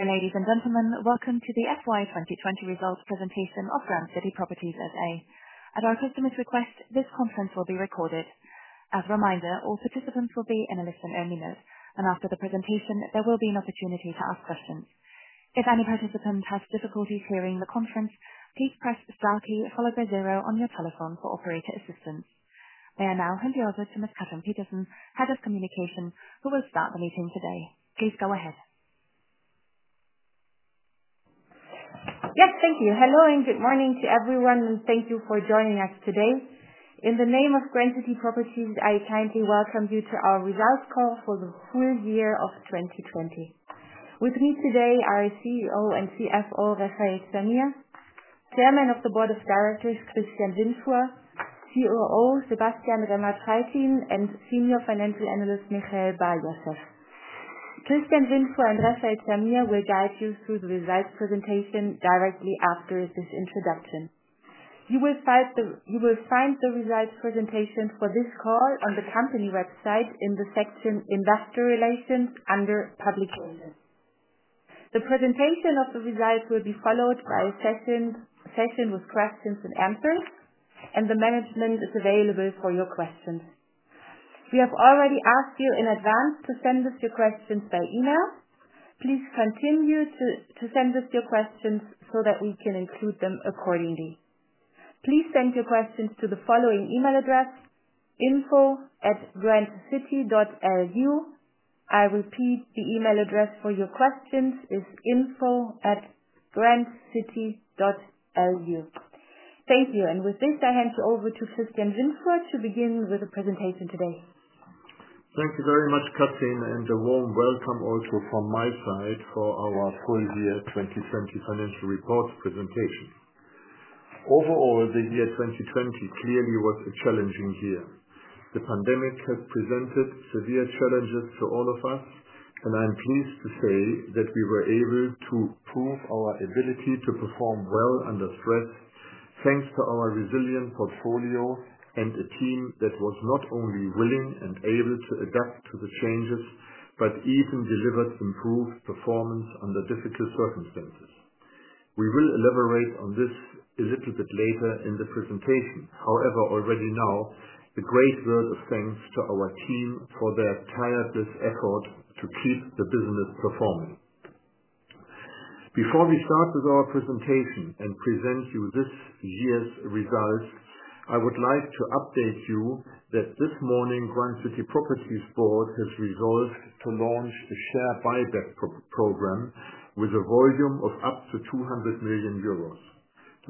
Ladies and gentlemen, welcome to the FY 2020 results presentation of Grand City Properties S.A. At our customers' request, this conference will be recorded. As a reminder, all participants will be in a listen-only mode. After the presentation, there will be an opportunity to ask questions. If any participant has difficulty hearing the conference, please press star key followed by zero on your telephone for operator assistance. I will now hand you over to Ms. Katrin Petersen, Head of Communications, who will start the meeting today. Please go ahead. Yes, thank you. Hello, good morning to everyone. Thank you for joining us today. In the name of Grand City Properties, I kindly welcome you to our results call for the full year of 2020. With me today are CEO and CFO, Refael Zamir, Chairman of the Board of Directors, Christian Windfuhr, COO, Sebastian Remmert-Heitmann, and Senior Financial Analyst, Michael Bar-Yosef. Christian Windfuhr and Refael Zamir will guide you through the results presentation directly after this introduction. You will find the results presentation for this call on the company website in the section Investor Relations under Publications. The presentation of the results will be followed by a session with questions and answers. The management is available for your questions. We have already asked you in advance to send us your questions by email. Please continue to send us your questions so that we can include them accordingly. Please send your questions to the following email address: info@grandcity.lu. I repeat, the email address for your questions is info@grandcity.lu. Thank you. With this, I hand you over to Christian Windfuhr to begin with the presentation today. Thank you very much, Katrin. A warm welcome also from my side for our full year 2020 financial report presentation. Overall, the year 2020 clearly was a challenging year. The pandemic has presented severe challenges to all of us. I am pleased to say that we were able to prove our ability to perform well under stress, thanks to our resilient portfolio and a team that was not only willing and able to adapt to the changes, but even delivered improved performance under difficult circumstances. We will elaborate on this a little bit later in the presentation. Already now, a great word of thanks to our team for their tireless effort to keep the business performing. Before we start with our presentation and present you this year's results, I would like to update you that this morning, Grand City Properties Board has resolved to launch a share buyback program with a volume of up to 200 million euros.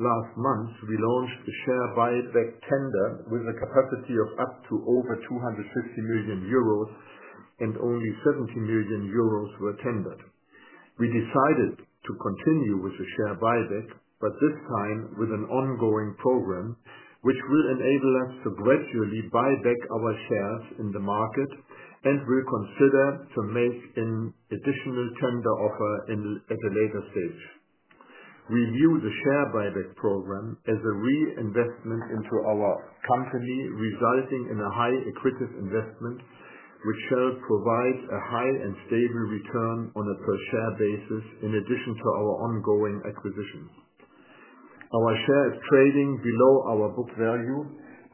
Last month, we launched a share buyback tender with a capacity of up to over 250 million euros and only 70 million euros were tendered. We decided to continue with the share buyback, this time with an ongoing program, which will enable us to gradually buy back our shares in the market and will consider to make an additional tender offer at a later stage. We view the share buyback program as a reinvestment into our company, resulting in a high equity investment, which shall provide a high and stable return on a per share basis in addition to our ongoing acquisitions. Our share is trading below our book value,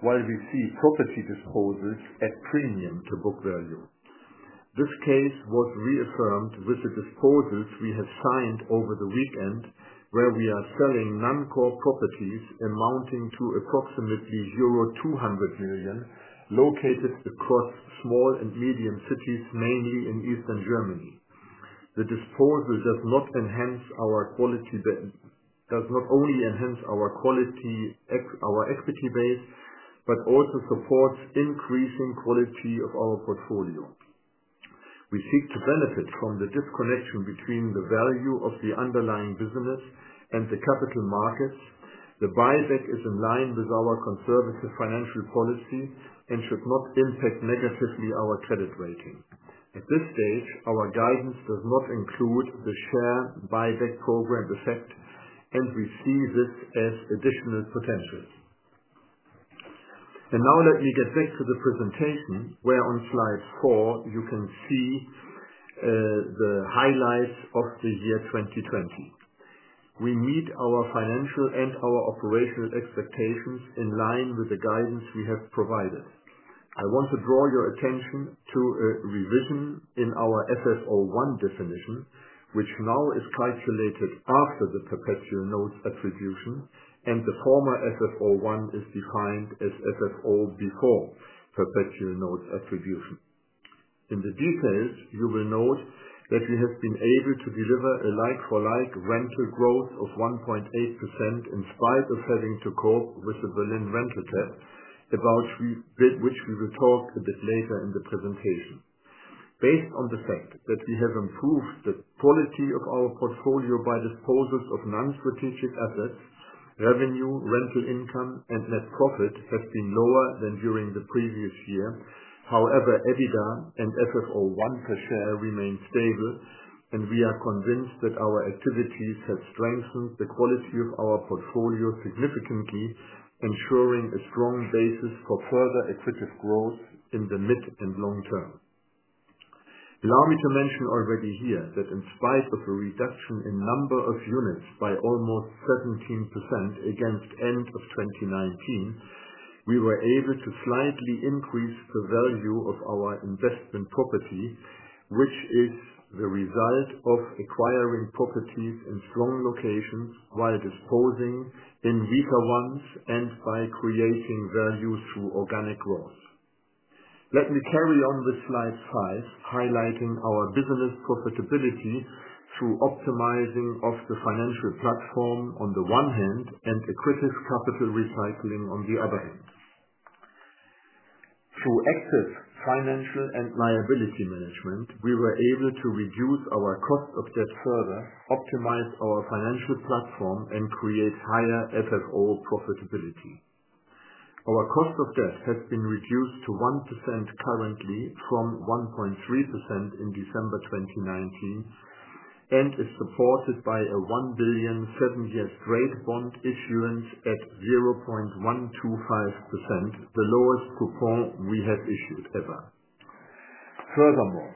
while we see property disposals at premium to book value. This case was reaffirmed with the disposals we have signed over the weekend, where we are selling non-core properties amounting to approximately euro 200 million, located across small and medium cities, mainly in Eastern Germany. The disposal does not only enhance our equity base, also supports increasing quality of our portfolio. We seek to benefit from the disconnection between the value of the underlying business and the capital markets. The buyback is in line with our conservative financial policy and should not impact negatively our credit rating. At this stage, our guidance does not include the share buyback program effect, We see this as additional potential. Now let me get back to the presentation, where on slide four, you can see the highlights of the year 2020. We meet our financial and our operational expectations in line with the guidance we have provided. I want to draw your attention to a revision in our FFO I definition, which now is calculated after the perpetual note attribution. The former FFO I is defined as FFO before perpetual note attribution. In the details, you will note that we have been able to deliver a like-for-like rental growth of 1.8% in spite of having to cope with the Berlin rental cap, about which we will talk a bit later in the presentation. Based on the fact that we have improved the quality of our portfolio by disposals of non-strategic assets, revenue, rental income, and net profit have been lower than during the previous year. However, EBITDA and FFO I per share remained stable. We are convinced that our activities have strengthened the quality of our portfolio significantly, ensuring a strong basis for further equities growth in the mid and long term. Allow me to mention already here that in spite of a reduction in number of units by almost 17% against end of 2019, we were able to slightly increase the value of our investment property, which is the result of acquiring properties in strong locations while disposing in weaker ones by creating value through organic growth. Let me carry on with slide five, highlighting our business profitability through optimizing of the financial platform on the one hand, equities capital recycling on the other hand. Through active financial and liability management, we were able to reduce our cost of debt further, optimize our financial platform, create higher FFO profitability. Our cost of debt has been reduced to 1% currently from 1.3% in December 2019, is supported by a 1 billion seven-year grade bond issuance at 0.125%, the lowest coupon we have issued ever. Furthermore,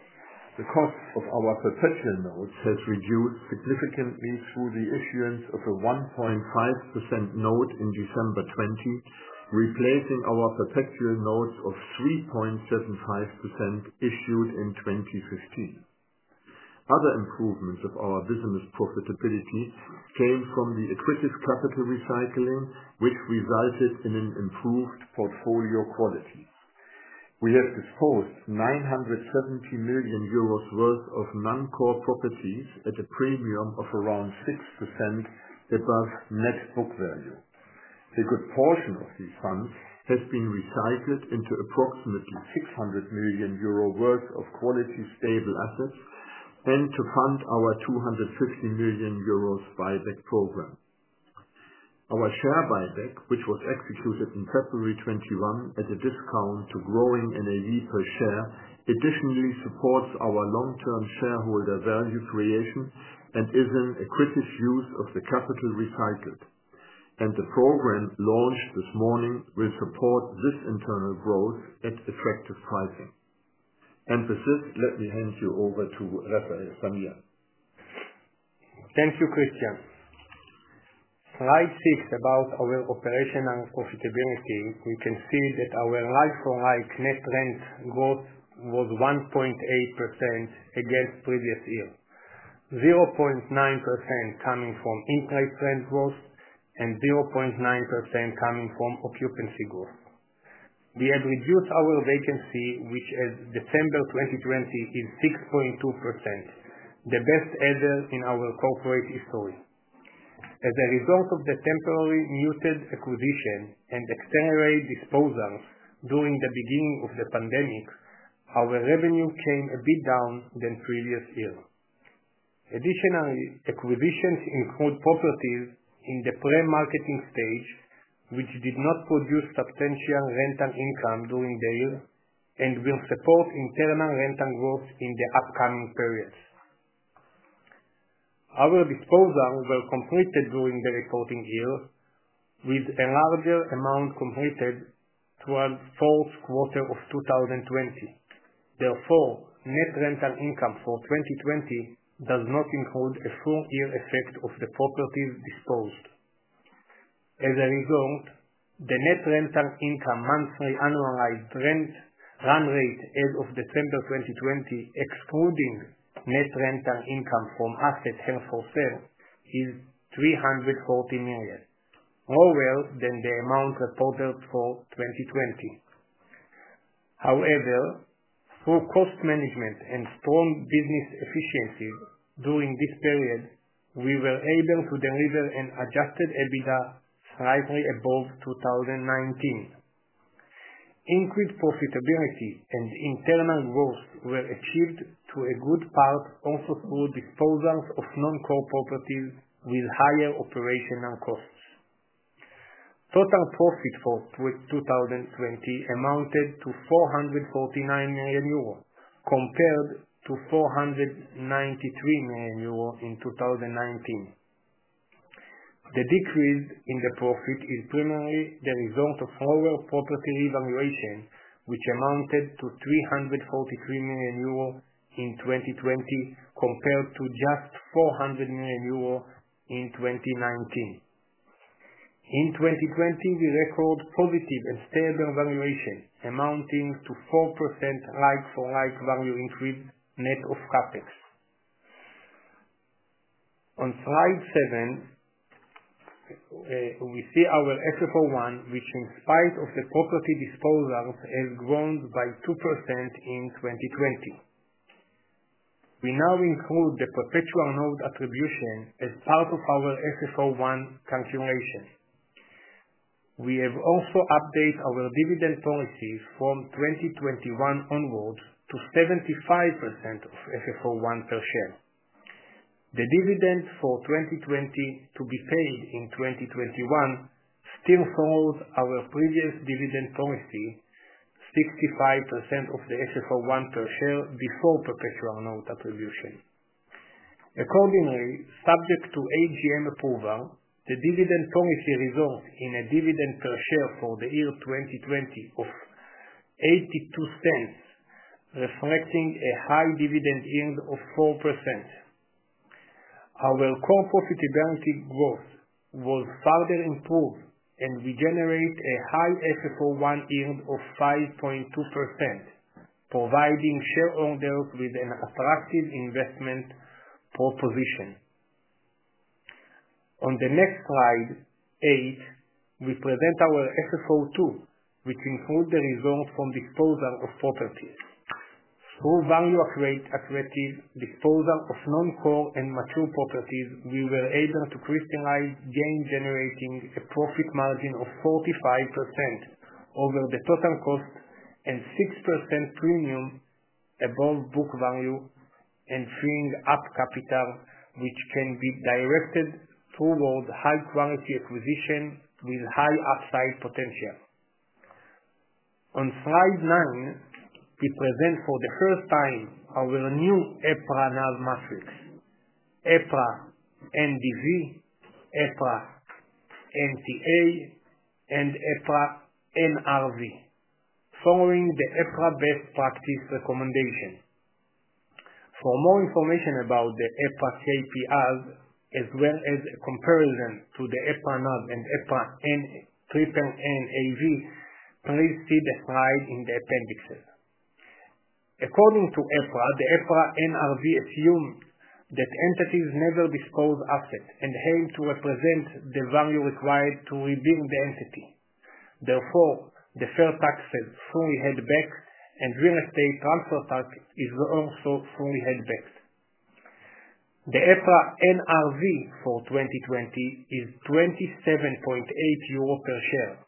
the cost of our perpetual notes has reduced significantly through the issuance of a 1.5% note in December 2020, replacing our perpetual notes of 3.75% issued in 2015. Other improvements of our business profitability came from the equities capital recycling, which resulted in an improved portfolio quality. We have disposed EUR 970 million worth of non-core properties at a premium of around 6% above net book value. A good portion of this fund has been recycled into approximately 600 million euro worth of quality stable assets and to fund our 250 million euros buyback program. Our share buyback, which was executed in February 2021 at a discount to growing NAV per share, additionally supports our long-term shareholder value creation and is an equities use of the capital recycled. The program launched this morning will support this internal growth at attractive pricing. With this, let me hand you over to Refael Zamir. Thank you, Christian. Slide six, about our operational profitability. We can see that our like-for-like net rents growth was 1.8% against previous year, 0.9% coming from in-place rent growth and 0.9% coming from occupancy growth. We have reduced our vacancy, which as December 2020 is 6.2%, the best ever in our corporate history. As a result of the temporary muted acquisition and accelerated disposals during the beginning of the pandemic, our revenue came a bit down than previous year. Additionally, acquisitions include properties in the pre-letting stage, which did not produce substantial rental income during the year and will support internal rental growth in the upcoming periods. Our disposals were completed during the reporting year, with a larger amount completed towards fourth quarter of 2020. Therefore, net rental income for 2020 does not include a full year effect of the properties disposed. As a result, the net rental income monthly annualized run rate as of December 2020, excluding net rental income from assets held for sale, is 340 million. Lower than the amount reported for 2020. However, through cost management and strong business efficiency during this period, we were able to deliver an adjusted EBITDA slightly above 2019. Increased profitability and internal growth were achieved to a good part also through disposals of non-core properties with higher operational costs. Total profit for 2020 amounted to 449 million euro compared to 493 million euro in 2019. The decrease in the profit is primarily the result of lower property valuation, which amounted to 343 million euro in 2020, compared to just 400 million euro in 2019. In 2020, we record positive and stable valuation amounting to 4% like-for-like value increase net of CapEx. On slide seven, we see our FFO I, which in spite of the property disposals, has grown by 2% in 2020. We now include the perpetual note attribution as part of our FFO I consideration. We have also update our dividend policy from 2021 onwards to 75% of FFO I per share. The dividend for 2020 to be paid in 2021 still follows our previous dividend policy, 65% of the FFO I per share before perpetual note attribution. Accordingly, subject to AGM approval, the dividend policy results in a dividend per share for the year 2020 of EUR 0.82, reflecting a high dividend yield of 4%. Our core profitability growth was further improved, and we generate a high FFO I yield of 5.2%, providing shareholders with an attractive investment proposition. On the next slide, eight, we present our FFO2, which includes the results from disposal of properties. Through value-accretive disposal of non-core and mature properties, we were able to crystallize gain, generating a profit margin of 45% over the total cost and 6% premium above book value, and freeing up capital, which can be directed towards high-quality acquisition with high upside potential. On slide nine, we present for the first time our new EPRA NAV metrics, EPRA NDV, EPRA NTA, and EPRA NRV, following the EPRA best practice recommendation. For more information about the EPRA KPIs, as well as a comparison to the EPRA NAV and EPRA NNNAV, please see the slide in the appendices. According to EPRA, the EPRA NRV assumes that entities never dispose assets and aim to represent the value required to rebuild the entity. Therefore, the fair tax is fully hedged back, and real estate transfer tax is also fully hedged back. The EPRA NRV for 2020 is 27.8 euro per share,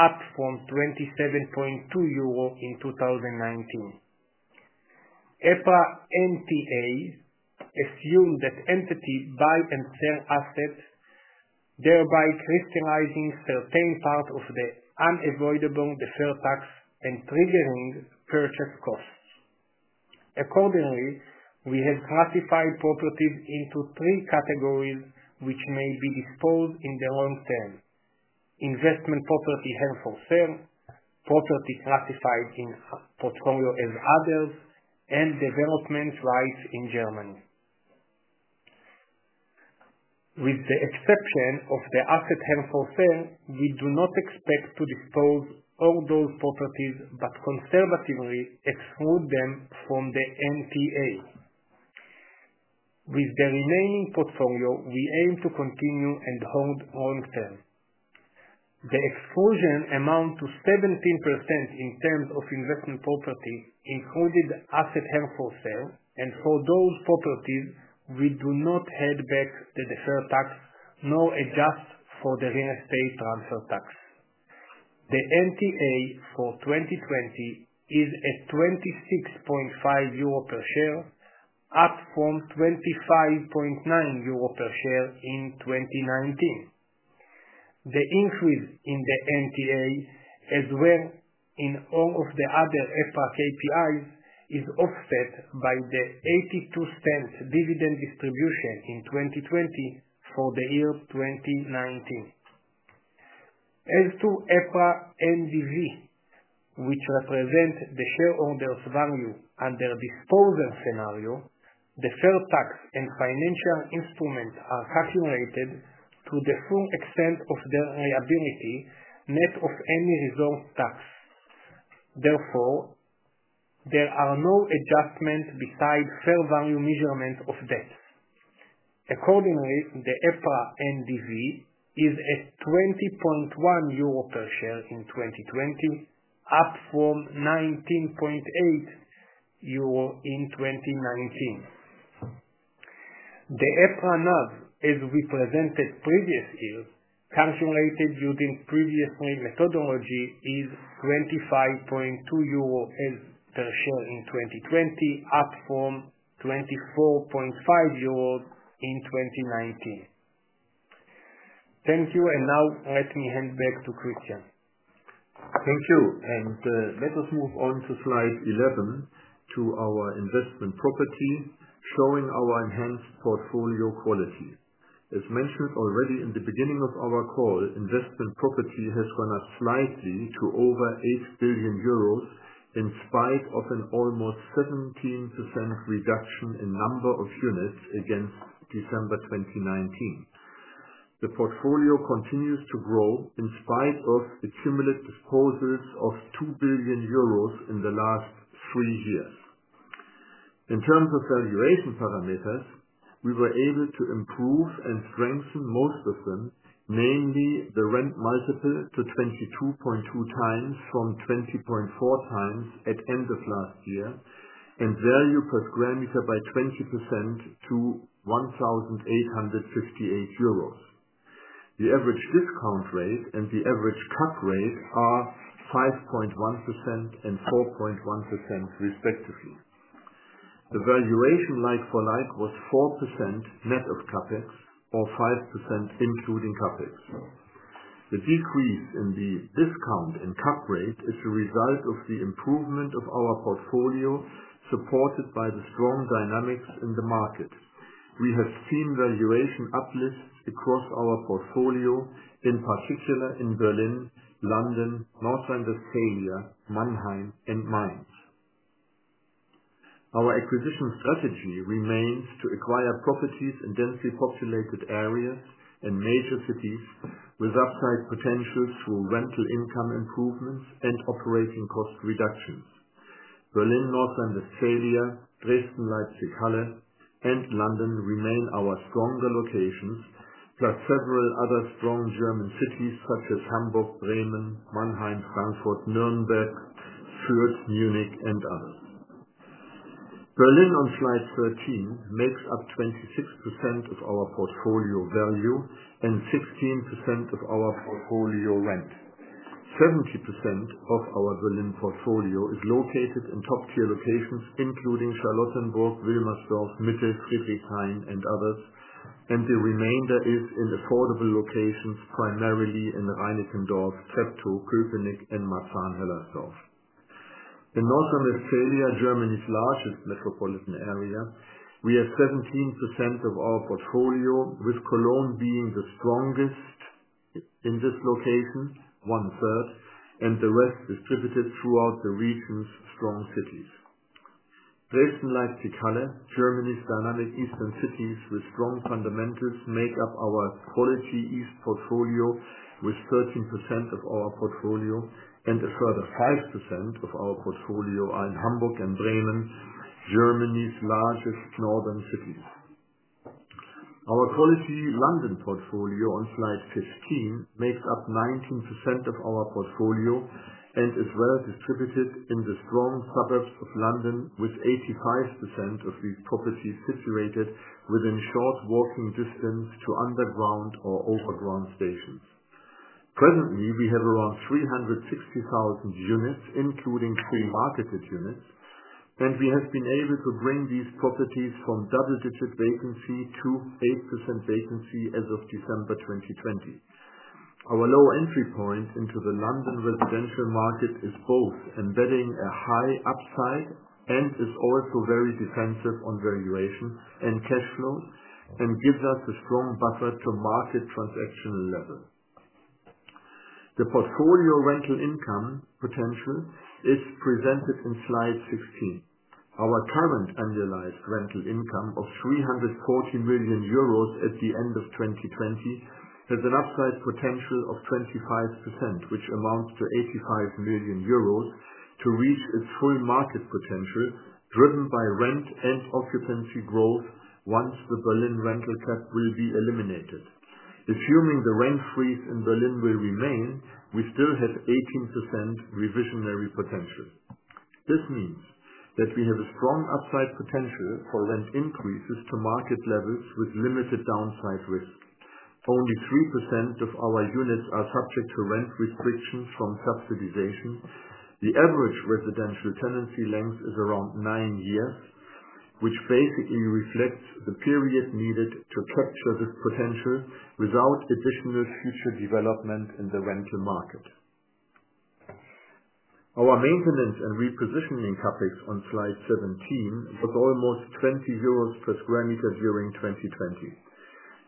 up from 27.2 euro in 2019. EPRA NTA assumes that entity buy and sell assets, thereby crystallizing certain parts of the unavoidable deferred tax and triggering purchase costs. Accordingly, we have classified properties into three categories which may be disposed in the long term. Investment property held for sale, properties classified in portfolio as others, and development rights in Germany. With the exception of the asset held for sale, we do not expect to dispose all those properties, but conservatively exclude them from the NTA. With the remaining portfolio, we aim to continue and hold long-term. The exclusion amount to 17% in terms of investment property, including asset held for sale, and for those properties, we do not head back the deferred tax nor adjust for the real estate transfer tax. The NTA for 2020 is at 26.5 euro per share, up from 25.9 euro per share in 2019. The increase in the NTA, as well in all of the other EPRA KPIs, is offset by the 0.82 dividend distribution in 2020 for the year 2019. As to EPRA NDV, which represents the shareholder's value under disposal scenario, deferred tax and financial instruments are calculated to the full extent of their liability, net of any resolved tax. Therefore, there are no adjustments besides fair value measurement of debt. Accordingly, the EPRA NDV is at 20.1 euro per share in 2020, up from EUR 19.8 in 2019. The EPRA NAV, as we presented previously, calculated using previously methodology, is EUR 25.2 per share in 2020, up from 24.5 euros in 2019. Thank you, and now let me hand back to Christian. Thank you. Let us move on to slide 11 to our investment property, showing our enhanced portfolio quality. As mentioned already in the beginning of our call, investment property has gone up slightly to over 8 billion euros, in spite of an almost 17% reduction in number of units against December 2019. The portfolio continues to grow in spite of the cumulative disposals of 2 billion euros in the last three years. In terms of valuation parameters, we were able to improve and strengthen most of them, namely the rent multiple to 22.2 times from 20.4 times at end of last year, and value per square meter by 20% to 1,858 euros. The average discount rate and the average cap rate are 5.1% and 4.1%, respectively. The valuation like-for-like was 4% net of CapEx or 5% including CapEx. The decrease in the discount and cap rate is a result of the improvement of our portfolio, supported by the strong dynamics in the market. We have seen valuation uplifts across our portfolio, in particular in Berlin, London, North Rhine-Westphalia, Mannheim, and Mainz. Our acquisition strategy remains to acquire properties in densely populated areas and major cities with upside potential through rental income improvements and operating cost reductions. Berlin, North Rhine-Westphalia, Dresden, Leipzig, Halle, and London remain our stronger locations, plus several other strong German cities such as Hamburg, Bremen, Mannheim, Frankfurt, Nuremberg, Fürth, Munich, and others. Berlin, on slide 13, makes up 26% of our portfolio value and 16% of our portfolio rent. 70% of our Berlin portfolio is located in top-tier locations, including Charlottenburg, Wilmersdorf, Mitte, Friedrichshain, and others, and the remainder is in affordable locations, primarily in Reinickendorf, Treptow, Köpenick, and Marzahn-Hellersdorf. In North Rhine-Westphalia, Germany's largest metropolitan area, we have 17% of our portfolio, with Cologne being the strongest in this location, one-third, and the rest distributed throughout the region's strong cities. Dresden, Leipzig, Halle, Germany's dynamic eastern cities with strong fundamentals, make up our quality east portfolio with 13% of our portfolio and a further 5% of our portfolio are in Hamburg and Bremen, Germany's largest northern cities. Our quality London portfolio on slide 15 makes up 19% of our portfolio and is well distributed in the strong suburbs of London, with 85% of these properties situated within short walking distance to Underground or overground stations. Presently, we have around 360,000 units, including free marketed units, and we have been able to bring these properties from double-digit vacancy to 8% vacancy as of December 2020. Our low entry point into the London residential market is both embedding a high upside and is also very defensive on valuation and cash flow and gives us a strong buffer to market transaction level. The portfolio rental income potential is presented in slide 16. Our current annualized rental income of 340 million euros at the end of 2020 has an upside potential of 25%, which amounts to 85 million euros, to reach its full market potential, driven by rent and occupancy growth, once the Berlin rental cap will be eliminated. Assuming the rent freeze in Berlin will remain, we still have 18% reversionary potential. This means that we have a strong upside potential for rent increases to market levels with limited downside risk. Only 3% of our units are subject to rent restrictions from subsidization. The average residential tenancy length is around nine years, which basically reflects the period needed to capture this potential without additional future development in the rental market. Our maintenance and repositioning CapEx on slide 17 was almost 20 euros per square meter during 2020.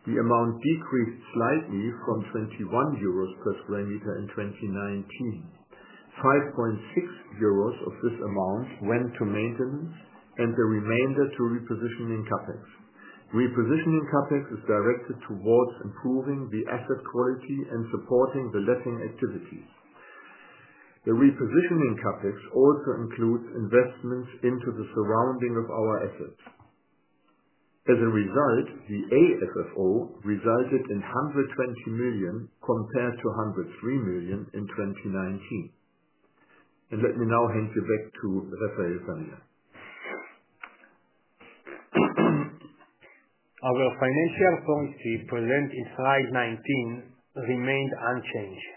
The amount decreased slightly from EUR 21 per square meter in 2019. 5.6 euros of this amount went to maintenance and the remainder to repositioning CapEx. Repositioning CapEx is directed towards improving the asset quality and supporting the letting activities. The repositioning CapEx also includes investments into the surrounding of our assets. As a result, the AFFO resulted in 120 million compared to 103 million in 2019. Let me now hand you back to Refael Zamir. Our financial policy presented in slide 19 remained unchanged.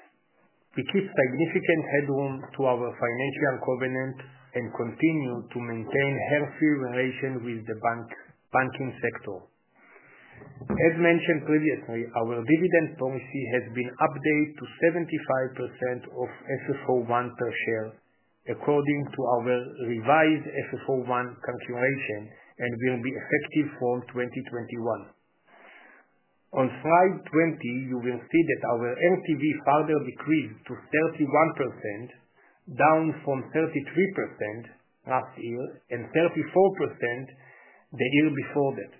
We keep significant headroom to our financial covenant and continue to maintain healthy relations with the banking sector. As mentioned previously, our dividend policy has been updated to 75% of FFO I per share according to our revised FFO I calculation and will be effective from 2021. On slide 20, you will see that our LTV further decreased to 31%, down from 33% last year and 34% the year before that.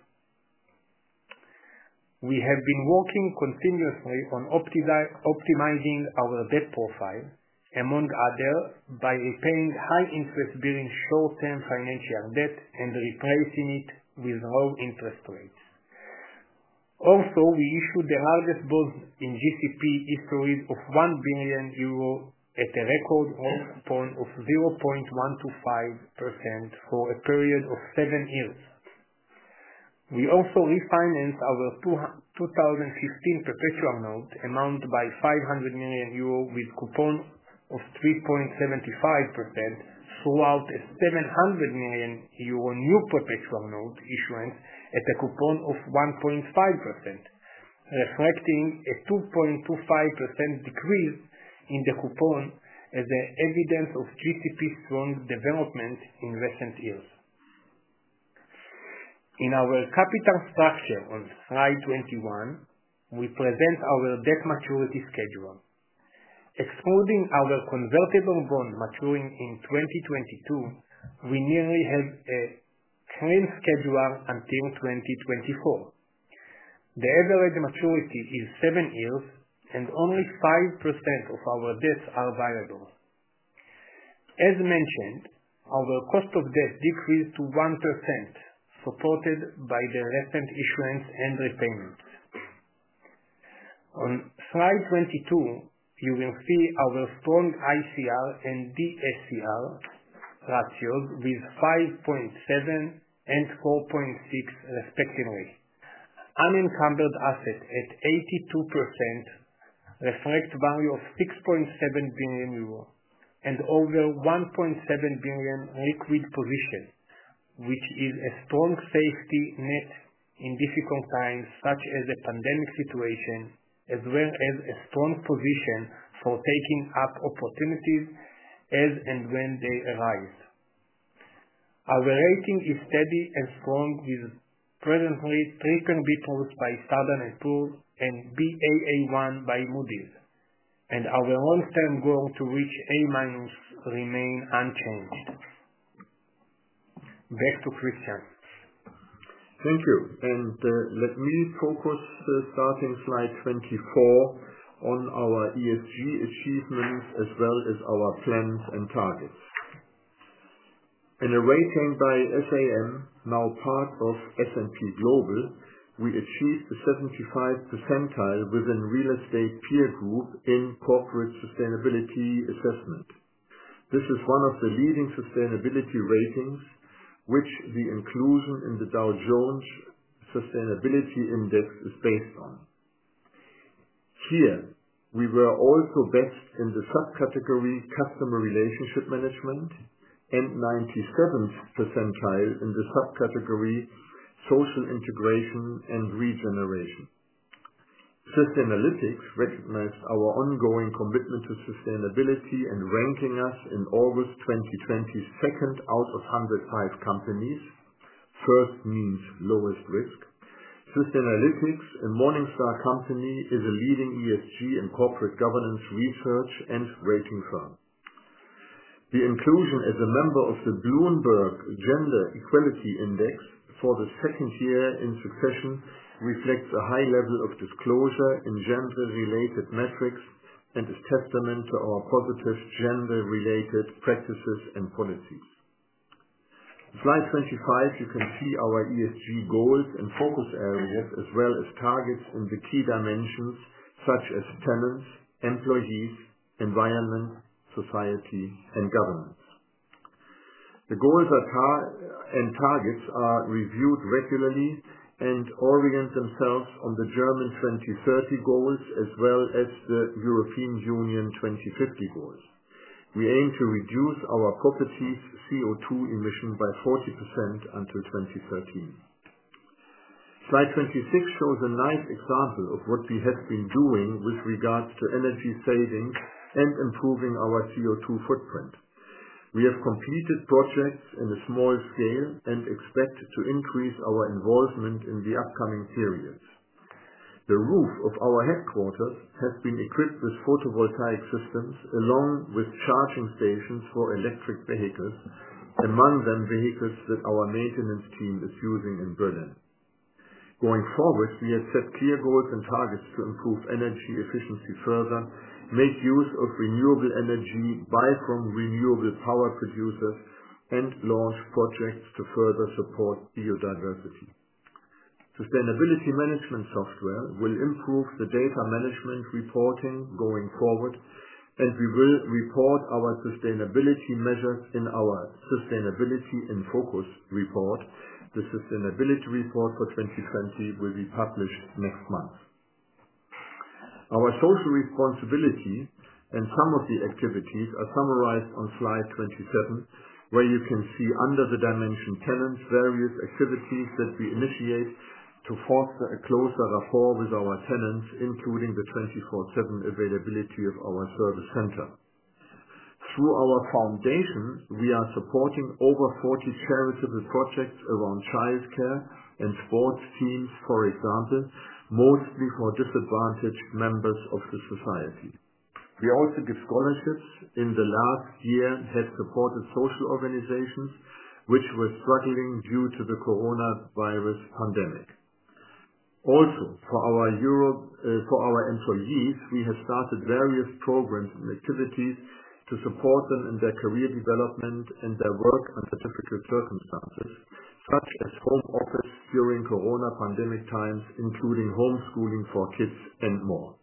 We have been working continuously on optimizing our debt profile, among other, by repaying high interest-bearing short-term financial debt and replacing it with low interest rates. Also, we issued the largest bond in GCP history of 1 billion euro at a record of point of 0.125% for a period of seven years. We also refinanced our 2015 perpetual note amount by 500 million euro with coupon of 3.75% throughout a 700 million euro new perpetual note issuance at a coupon of 1.5%. Reflecting a 2.25% decrease in the coupon as evidence of GCP's strong development in recent years. In our capital structure on slide 21, we present our debt maturity schedule. Excluding our convertible bond maturing in 2022, we nearly have a clean schedule until 2024. The average maturity is seven years, and only 5% of our debts are variable. As mentioned, our cost of debt decreased to 1%, supported by the recent issuance and repayments. On slide 22, you will see our strong ICR and DSCR ratios with 5.7 and 4.6, respectively. Unencumbered assets at 82% reflect value of 6.7 billion euro and over 1.7 billion liquid position, which is a strong safety net in difficult times, such as a pandemic situation, as well as a strong position for taking up opportunities as and when they arise. Our rating is steady and strong, with presently triple B plus by Standard & Poor's and Baa1 by Moody's. Our long-term goal to reach A minus remain unchanged. Back to Christian. Thank you. Let me focus, starting slide 24, on our ESG achievements, as well as our plans and targets. In a rating by SAM, now part of S&P Global, we achieved the 75th percentile within real estate peer group in corporate sustainability assessment. This is one of the leading sustainability ratings which the inclusion in the Dow Jones Sustainability Index is based on. Here, we were also best in the sub-category customer relationship management and 97th percentile in the sub-category social integration and regeneration. Sustainalytics recognized our ongoing commitment to sustainability and ranking us in August 2020, second out of 105 companies. First means lowest risk. Sustainalytics, a Morningstar company, is a leading ESG and corporate governance research and rating firm. The inclusion as a member of the Bloomberg Gender-Equality Index for the second year in succession reflects a high level of disclosure in gender-related metrics and is testament to our positive gender-related practices and policies. Slide 25, you can see our ESG goals and focus areas as well as targets in the key dimensions such as tenants, employees, environment, society, and governance. The goals and targets are reviewed regularly and orient themselves on the German 2030 goals as well as the European Union 2050 goals. We aim to reduce our property's CO2 emission by 40% until 2030. Slide 26 shows a nice example of what we have been doing with regards to energy savings and improving our CO2 footprint. We have completed projects in a small scale and expect to increase our involvement in the upcoming periods. The roof of our headquarters has been equipped with photovoltaic systems, along with charging stations for electric vehicles, among them vehicles that our maintenance team is using in Berlin. Going forward, we have set clear goals and targets to improve energy efficiency further, make use of renewable energy, buy from renewable power producers, and launch projects to further support biodiversity. Sustainability management software will improve the data management reporting going forward, and we will report our sustainability measures in our Sustainability in Focus report. The sustainability report for 2020 will be published next month. Our social responsibility and some of the activities are summarized on slide 27, where you can see under the dimension Tenants, various activities that we initiate to foster a closer rapport with our tenants, including the 24/7 availability of our service center. Through our foundation, we are supporting over 40 charitable projects around childcare and sports teams, for example, mostly for disadvantaged members of the society. We also give scholarships. In the last year, we have supported social organizations which were struggling due to the coronavirus pandemic. For our employees, we have started various programs and activities to support them in their career development and their work and certificate circumstances, such as home office during corona pandemic times, including homeschooling for kids and more.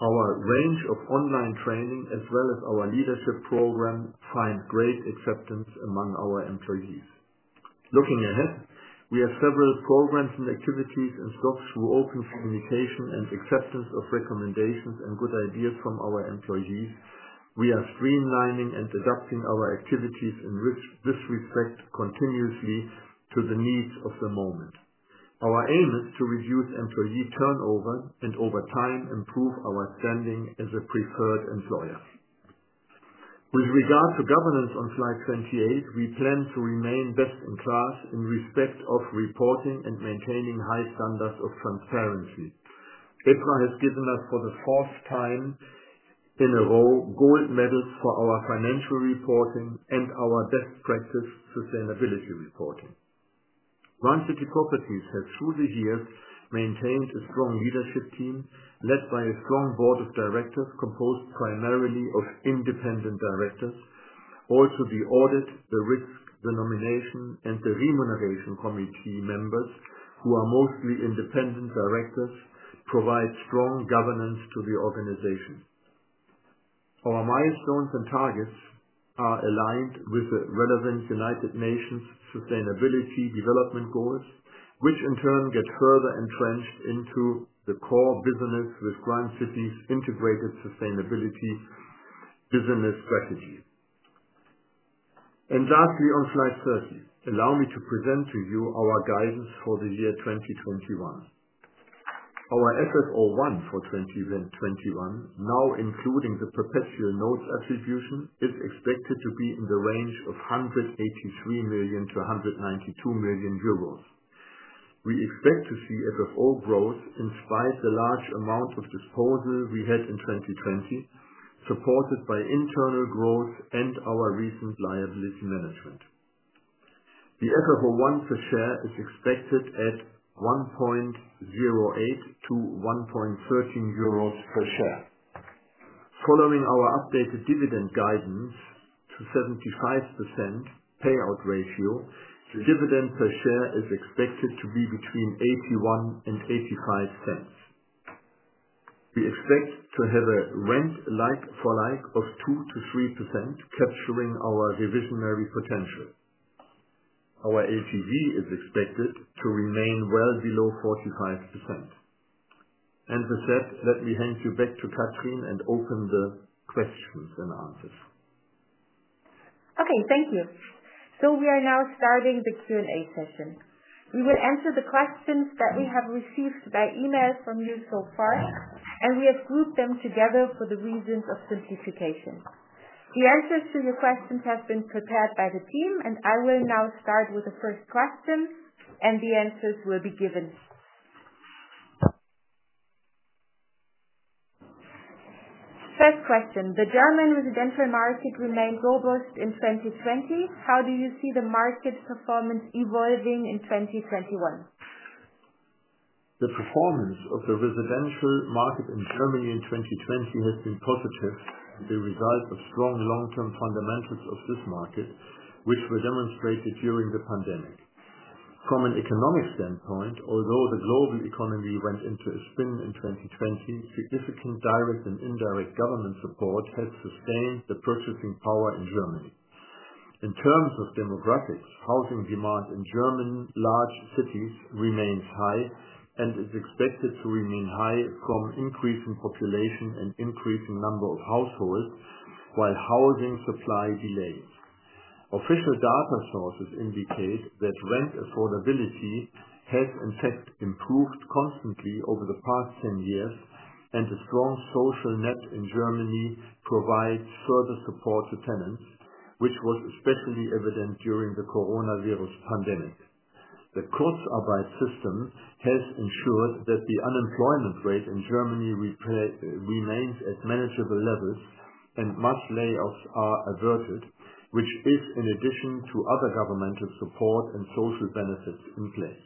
Our range of online training as well as our leadership program find great acceptance among our employees. Looking ahead, we have several programs and activities and thoughts through open communication and acceptance of recommendations and good ideas from our employees. We are streamlining and adapting our activities in this respect continuously to the needs of the moment. Our aim is to reduce employee turnover and over time improve our standing as a preferred employer. With regard to governance on slide 28, we plan to remain best in class in respect of reporting and maintaining high standards of transparency. EPRA has given us for the fourth time in a row gold medals for our financial reporting and our best practice sustainability reporting. Grand City Properties has through the years maintained a strong leadership team led by a strong board of directors composed primarily of independent directors. Also the audit, the risk, the nomination, and the remuneration committee members who are mostly independent directors provide strong governance to the organization. Our milestones and targets are aligned with the relevant United Nations Sustainability Development Goals, which in turn get further entrenched into the core business with Grand City's integrated sustainability business strategy. Lastly, on slide 30, allow me to present to you our guidance for the year 2021. Our FFO I for 2021, now including the perpetual notes attribution, is expected to be in the range of 183 million-192 million euros. We expect to see FFO growth in spite the large amount of disposal we had in 2020, supported by internal growth and our recent liability management. The FFO I per share is expected at 1.08-1.13 euros per share. Following our updated dividend guidance to 75% payout ratio, the dividend per share is expected to be between 0.81 and 0.85. We expect to have a rent like-for-like of 2%-3% capturing our revisionary potential. Our LTV is expected to remain well below 45%. And with that, let me hand you back to Katrin and open the questions and answers. Okay. Thank you. We are now starting the Q&A session. We will answer the questions that we have received by email from you so far, and we have grouped them together for the reasons of simplification. The answers to your questions have been prepared by the team, and I will now start with the first question, and the answers will be given. First question. The German residential market remained robust in 2020. How do you see the market performance evolving in 2021? The performance of the residential market in Germany in 2020 has been positive as a result of strong long-term fundamentals of this market, which were demonstrated during the pandemic. From an economic standpoint, although the global economy went into a spin in 2020, significant direct and indirect government support has sustained the purchasing power in Germany. In terms of demographics, housing demand in German large cities remains high and is expected to remain high from increasing population and increasing number of households while housing supply delays. Official data sources indicate that rent affordability has in fact improved constantly over the past 10 years, and a strong social net in Germany provides further support to tenants, which was especially evident during the coronavirus pandemic. The Kurzarbeit system has ensured that the unemployment rate in Germany remains at manageable levels and mass layoffs are averted, which is in addition to other governmental support and social benefits in place.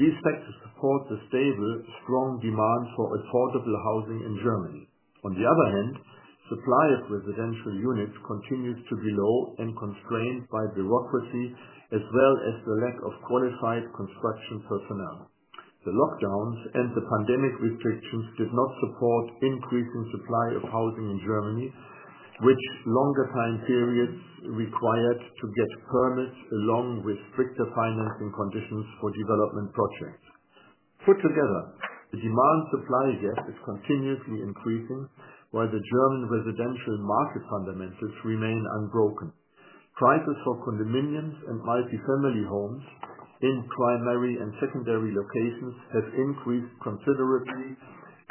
These factors support the stable, strong demand for affordable housing in Germany. On the other hand, supply of residential units continues to be low and constrained by bureaucracy as well as the lack of qualified construction personnel. The lockdowns and the pandemic restrictions did not support increasing supply of housing in Germany, which longer time periods required to get permits along with stricter financing conditions for development projects. Put together, the demand-supply gap is continuously increasing while the German residential market fundamentals remain unbroken. Prices for condominiums and multifamily homes in primary and secondary locations have increased considerably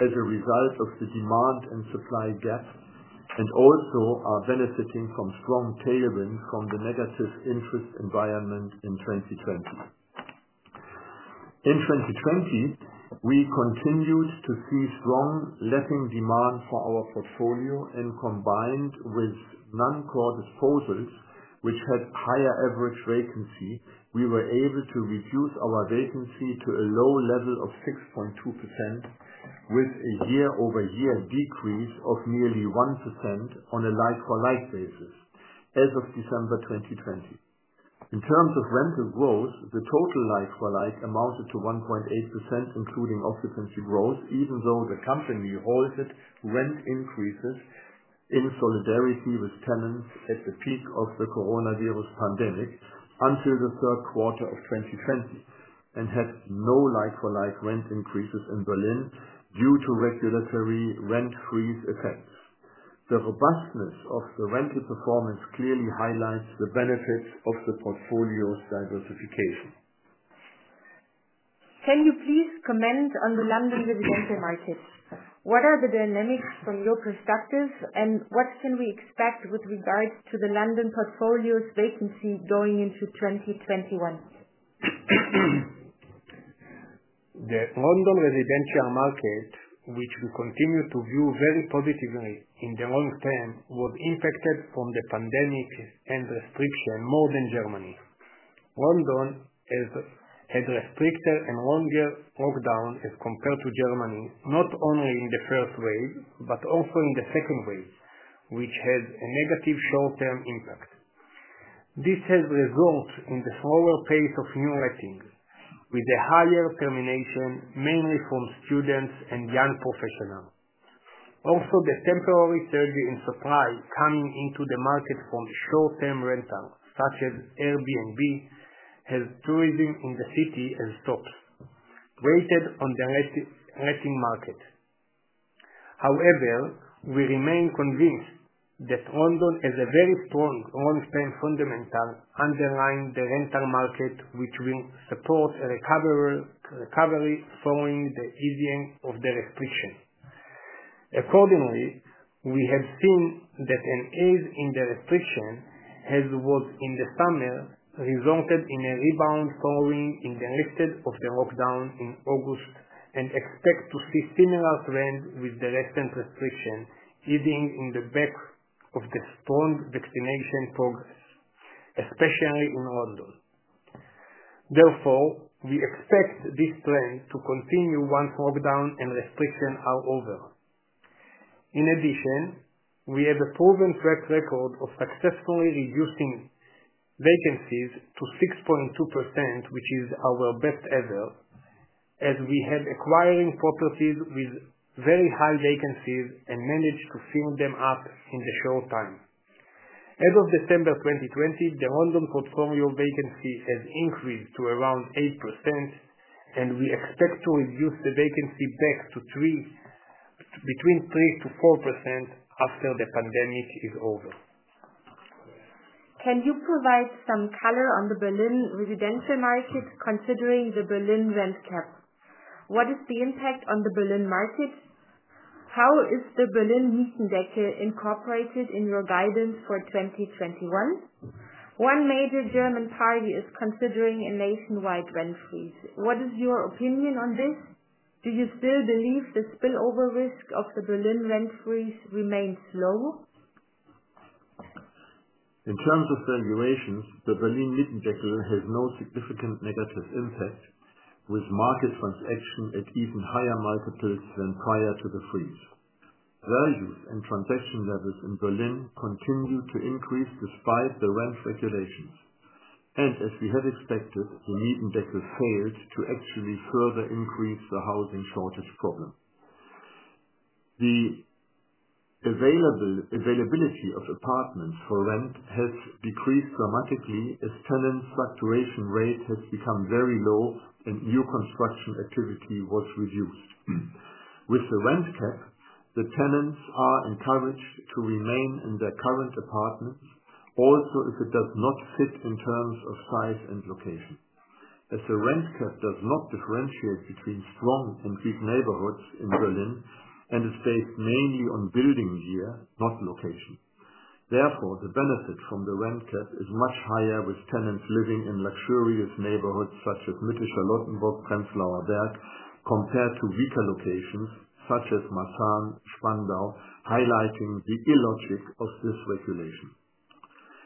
as a result of the demand-supply gap, and also are benefiting from strong tailwinds from the negative interest environment in 2020. In 2020, we continued to see strong letting demand for our portfolio and combined with non-core disposals, which had higher average vacancy, we were able to reduce our vacancy to a low level of 6.2% with a year-over-year decrease of nearly 1% on a like-for-like basis as of December 2020. In terms of rental growth, the total like-for-like amounted to 1.8%, including occupancy growth, even though the company halted rent increases in solidarity with tenants at the peak of the coronavirus pandemic until the third quarter of 2020 and had no like-for-like rent increases in Berlin due to regulatory rent freeze effects. The robustness of the rental performance clearly highlights the benefits of the portfolio's diversification. Can you please comment on the London residential markets? What are the dynamics from your perspective, and what can we expect with regards to the London portfolio's vacancy going into 2021? The London residential market, which we continue to view very positively in the long-term, was impacted from the pandemic and restrictions more than Germany. London has had stricter and longer lockdowns as compared to Germany, not only in the first wave, but also in the second wave, which has a negative short-term impact. This has resulted in the slower pace of new lettings, with higher terminations, mainly from students and young professionals. Also, the temporary surge in supply coming into the market from short-term rentals, such as Airbnb, as tourism in the city has stopped, weighed on the letting market. However, we remain convinced that London has very strong long-term fundamentals underlying the rental market, which will support a recovery following the easing of the restrictions. Accordingly, we have seen that an ease in the restrictions, as was in the summer, resulted in a rebound following the lifting of the lockdowns in August, and expect to see similar trends with the recent restrictions, easing in the back of the strong vaccination progress, especially in London. Therefore, we expect this trend to continue once lockdowns and restrictions are over. In addition, we have a proven track record of successfully reducing vacancies to 6.2%, which is our best ever, as we have acquired properties with very high vacancies and managed to fill them up in the short time. As of December 2020, the London portfolio vacancy has increased to around 8%, and we expect to reduce the vacancy back between 3% to 4% after the pandemic is over. Can you provide some color on the Berlin residential market considering the Berlin rent cap? What is the impact on the Berlin market? How is the Berlin Mietendeckel incorporated in your guidance for 2021? One major German party is considering a nationwide rent freeze. What is your opinion on this? Do you still believe the spillover risk of the Berlin rent freeze remains low? In terms of regulations, the Berlin Mietendeckel has no significant negative impact with market transactions at even higher multiples than prior to the freeze. Values and transaction levels in Berlin continue to increase despite the rent regulations. As we have expected, the Mietendeckel failed to actually further increase the housing shortage problem. The availability of apartments for rent has decreased dramatically as tenant fluctuation rates has become very low and new construction activity was reduced. With the rent cap, the tenants are encouraged to remain in their current apartment, even if it does not fit in terms of size and location, as the rent cap does not differentiate between strong and weak neighborhoods in Berlin, and it's based mainly on building year, not location. Therefore, the benefit from the rent cap is much higher with tenants living in luxurious neighborhoods such as Mitte, Charlottenburg, Prenzlauer Berg, compared to weaker locations such as Marzahn, Spandau, highlighting the illogic of this regulation.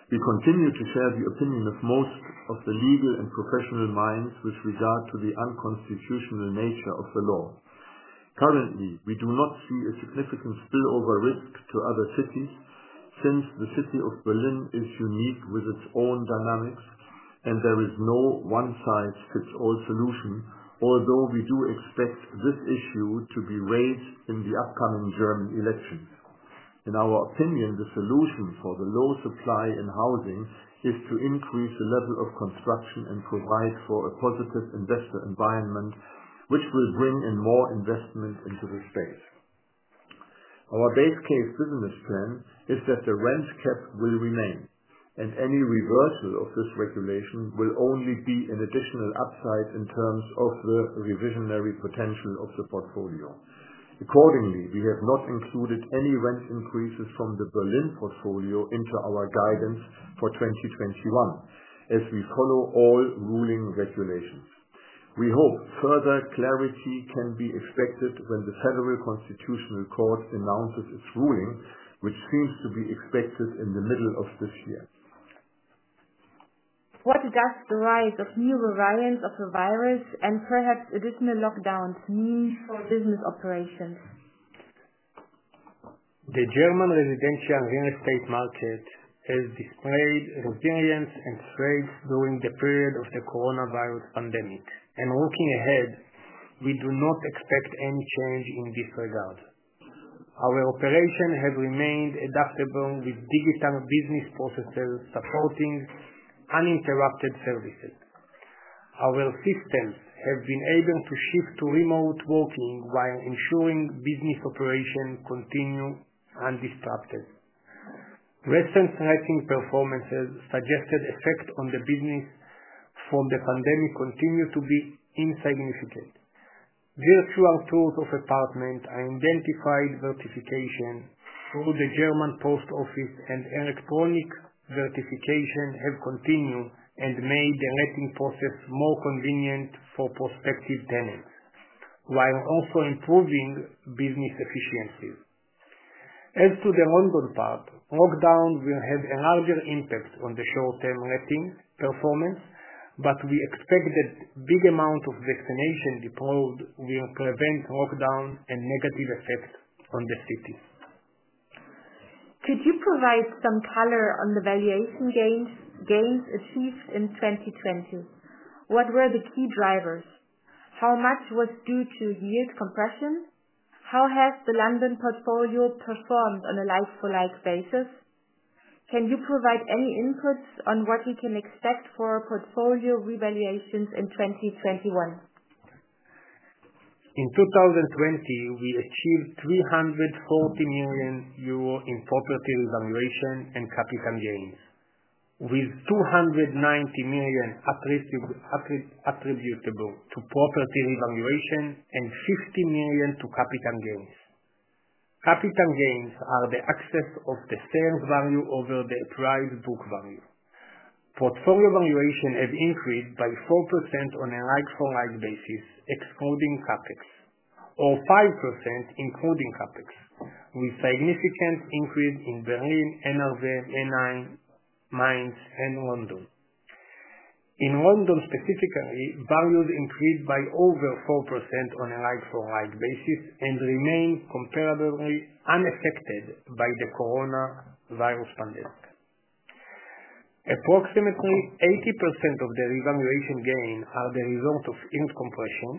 We continue to share the opinion of most of the legal and professional minds with regard to the unconstitutional nature of the law. Currently, we do not see a significant spillover risk to other cities, since the city of Berlin is unique with its own dynamics and there is no one-size-fits-all solution, although we do expect this issue to be raised in the upcoming German elections. In our opinion, the solution for the low supply in housing is to increase the level of construction and provide for a positive investor environment, which will bring in more investment into the space. Our base case business plan is that the rent cap will remain, and any reversal of this regulation will only be an additional upside in terms of the revisionary potential of the portfolio. Accordingly, we have not included any rent increases from the Berlin portfolio into our guidance for 2021 as we follow all ruling regulations. We hope further clarity can be expected when the Federal Constitutional Court announces its ruling, which seems to be expected in the middle of this year. What does the rise of new variants of the virus and perhaps additional lockdowns mean for business operations? The German residential real estate market has displayed resilience and strength during the period of the coronavirus pandemic. Looking ahead, we do not expect any change in this regard. Our operation has remained adaptable with digital business processes supporting uninterrupted services. Our systems have been able to shift to remote working while ensuring business operations continue undisrupted. Recent letting performances suggested effect on the business from the pandemic continue to be insignificant. Virtual tools of apartment identified certification through the Deutsche Post and electronic certification have continued and made the letting process more convenient for prospective tenants, while also improving business efficiencies. As to the London part, lockdown will have a larger impact on the short-term letting performance, but we expect that big amount of vaccination deployed will prevent lockdown and negative effect on the city. Could you provide some color on the valuation gains achieved in 2020? What were the key drivers? How much was due to yield compression? How has the London portfolio performed on a like-for-like basis? Can you provide any inputs on what we can expect for portfolio revaluations in 2021? In 2020, we achieved 340 million euro in property revaluation and capital gains. With 290 million attributable to property revaluation and 50 million to capital gains. Capital gains are the excess of the fair value over the appraised book value. Portfolio valuation has increased by 4% on a like-for-like basis, excluding CapEx, or 5% including CapEx, with significant increase in Berlin, NRW, Mainz, and London. In London specifically, values increased by over 4% on a like-for-like basis and remain comparably unaffected by the coronavirus pandemic. Approximately 80% of the revaluation gain are the result of yield compression,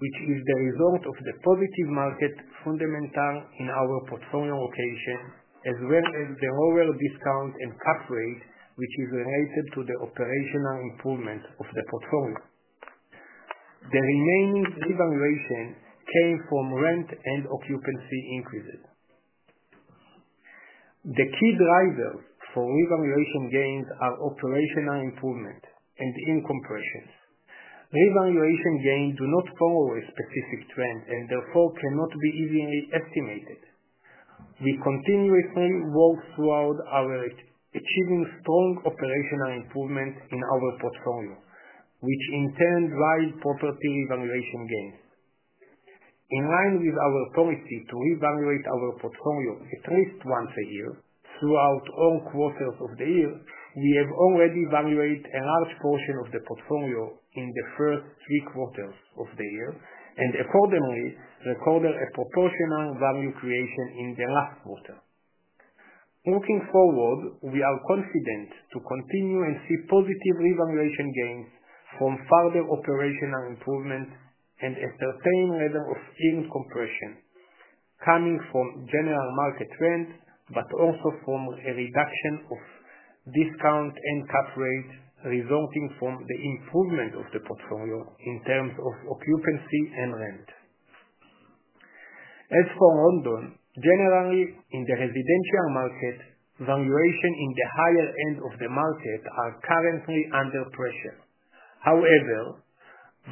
which is the result of the positive market fundamental in our portfolio location, as well as the lower discount and cap rate, which is related to the operational improvement of the portfolio. The remaining revaluation came from rent and occupancy increases. The key drivers for revaluation gains are operational improvement and yield compressions. Revaluation gains do not follow a specific trend and therefore cannot be easily estimated. We continuously work toward achieving strong operational improvement in our portfolio, which in turn drive property revaluation gains. In line with our policy to revaluate our portfolio at least once a year throughout all quarters of the year, we have already evaluated a large portion of the portfolio in the first three quarters of the year and accordingly, recorded a proportional value creation in the last quarter. Looking forward, we are confident to continue and see positive revaluation gains from further operational improvements and a certain level of yield compression coming from general market trends, but also from a reduction of discount and cap rates resulting from the improvement of the portfolio in terms of occupancy and rent. As for London, generally in the residential market, valuation in the higher end of the market are currently under pressure. However,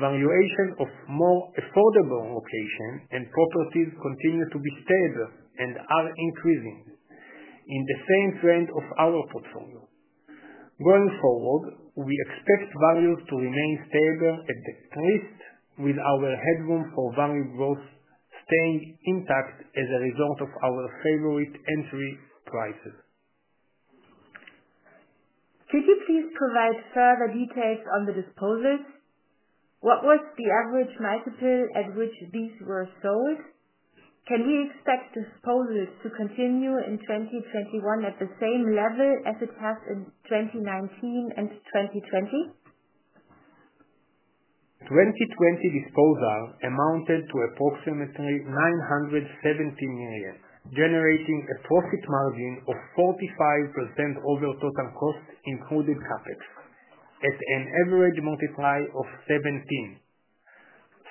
valuation of more affordable locations and properties continue to be stable and are increasing in the same trend of our portfolio. Going forward, we expect values to remain stable at the least, with our headroom for value growth staying intact as a result of our favorable entry prices. Could you please provide further details on the disposals? What was the average multiple at which these were sold? Can we expect disposals to continue in 2021 at the same level as it has in 2019 and 2020? 2020 disposals amounted to approximately 970 million, generating a profit margin of 45% over total cost, including CapEx, at an average multiple of 17x.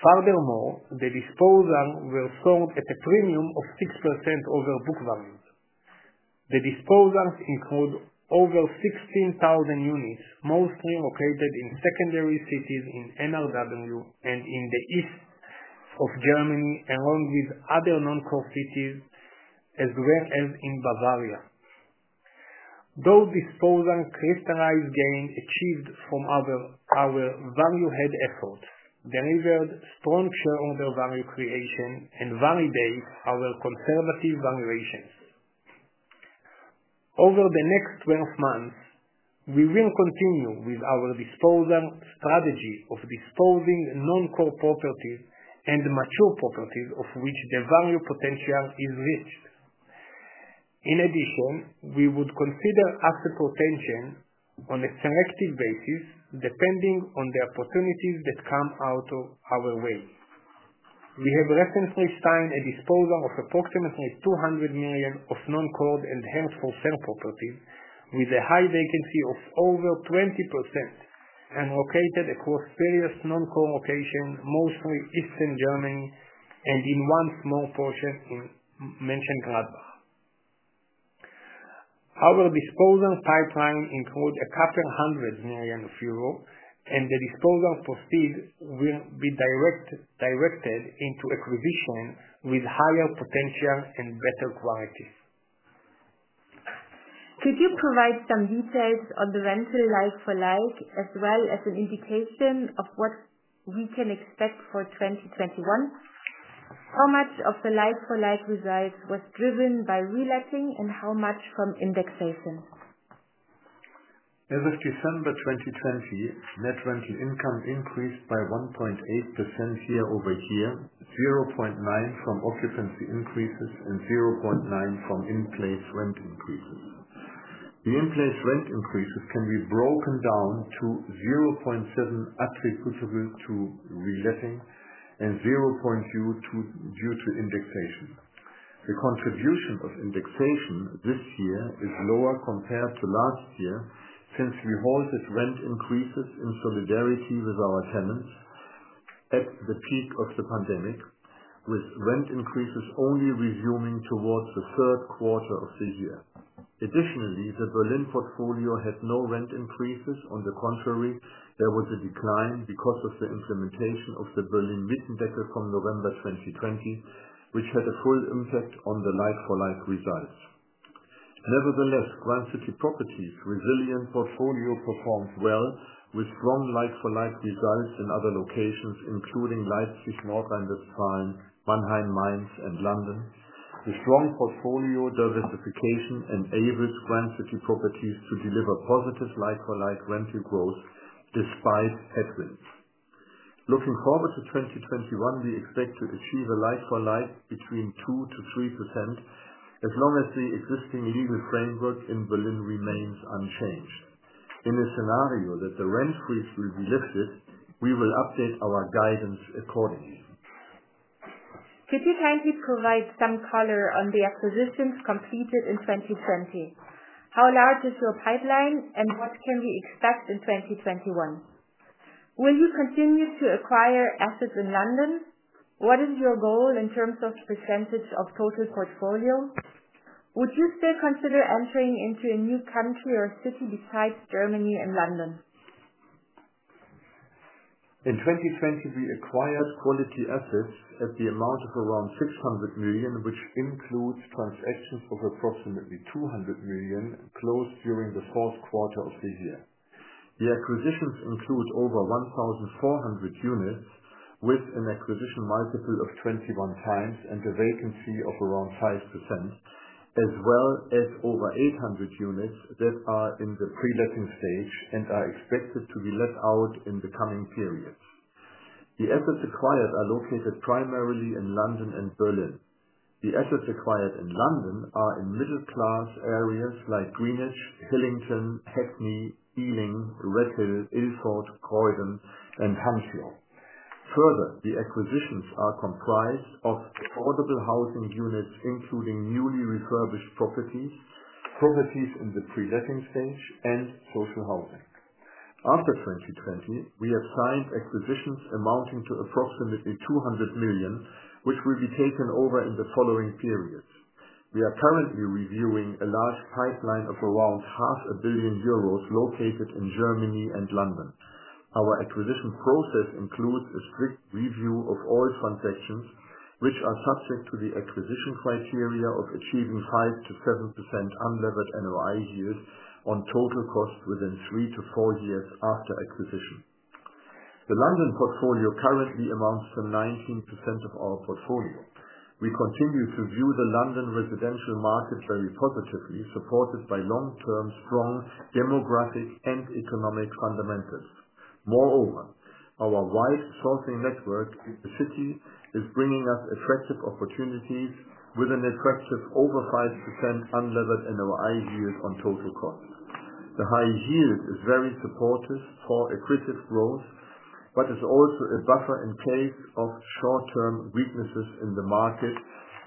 The disposals were sold at a premium of 6% over book values. The disposals include over 16,000 units, mostly located in secondary cities in NRW and in the east of Germany, along with other non-core cities, as well as in Bavaria. Those disposals crystallized gain achieved from our value add efforts, delivered strong shareholder value creation, and validate our conservative valuations. Over the next 12 months, we will continue with our disposal strategy of disposing non-core properties and mature properties of which the value potential is reached. We would consider active potential on a selective basis, depending on the opportunities that come out of our way. We have recently signed a disposal of approximately 200 million of non-core and held-for-sale property with a high vacancy of over 20% and located across various non-core locations, mostly Eastern Germany and in one small portion in Mönchengladbach. Our disposal pipeline includes a couple hundred million EUR and the disposal proceeds will be directed into acquisition with higher potential and better quality. Could you provide some details on the rental like-for-like, as well as an indication of what we can expect for 2021? How much of the like-for-like results was driven by reletting, and how much from indexation? As of December 2020, net rental income increased by 1.8% year-over-year, 0.9% from occupancy increases and 0.9% from in-place rent increases. The in-place rent increases can be broken down to 0.7% attributable to reletting and 0.2% due to indexation. The contribution of indexation this year is lower compared to last year since we halted rent increases in solidarity with our tenants at the peak of the pandemic, with rent increases only resuming towards the third quarter of the year. Additionally, the Berlin portfolio had no rent increases. On the contrary, there was a decline because of the implementation of the Berlin Mietendeckel from November 2020, which had a full impact on the like-for-like results. Nevertheless, Grand City Properties' resilient portfolio performed well with strong like-for-like results in other locations, including Leipzig, North Rhine-Westphalia, Mannheim, Mainz, and London. The strong portfolio diversification enables Grand City Properties to deliver positive like-for-like rental growth despite headwinds. Looking forward to 2021, we expect to achieve a like-for-like between 2%-3% as long as the existing legal framework in Berlin remains unchanged. In the scenario that the rent freeze will be lifted, we will update our guidance accordingly. Could you kindly provide some color on the acquisitions completed in 2020? How large is your pipeline, and what can we expect in 2021? Will you continue to acquire assets in London? What is your goal in terms of percentage of total portfolio? Would you still consider entering into a new country or city besides Germany and London? In 2020, we acquired quality assets at the amount of around 600 million, which includes transactions of approximately 200 million closed during the fourth quarter of the year. The acquisitions include over 1,400 units with an acquisition multiple of 21 times and a vacancy of around 5%, as well as over 800 units that are in the reletting stage and are expected to be let out in the coming periods. The assets acquired are located primarily in London and Berlin. The assets acquired in London are in middle-class areas like Greenwich, Hillingdon, Hackney, Ealing, Redhill, Ilford, Croydon, and Hampstead. Further, the acquisitions are comprised of affordable housing units, including newly refurbished properties in the reletting stage, and social housing. After 2020, we have signed acquisitions amounting to approximately 200 million, which will be taken over in the following periods. We are currently reviewing a large pipeline of around half a billion EUR located in Germany and London. Our acquisition process includes a strict review of all transactions, which are subject to the acquisition criteria of achieving 5%-7% unlevered NOI yield on total cost within 3-4 years after acquisition. The London portfolio currently amounts to 19% of our portfolio. We continue to view the London residential market very positively, supported by long-term, strong demographic and economic fundamentals. Moreover, our wide sourcing network in the city is bringing us attractive opportunities with an attractive over 5% unlevered NOI yield on total cost. The high yield is very supportive for accretive growth, but is also a buffer in case of short-term weaknesses in the market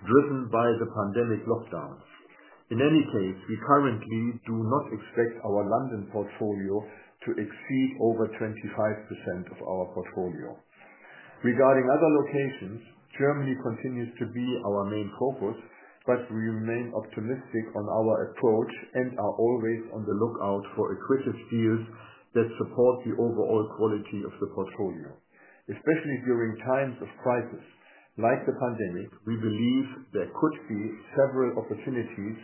driven by the pandemic lockdown. In any case, we currently do not expect our London portfolio to exceed over 25% of our portfolio. Regarding other locations, Germany continues to be our main focus. We remain optimistic on our approach and are always on the lookout for accretive deals that support the overall quality of the portfolio. Especially during times of crisis like the pandemic, we believe there could be several opportunities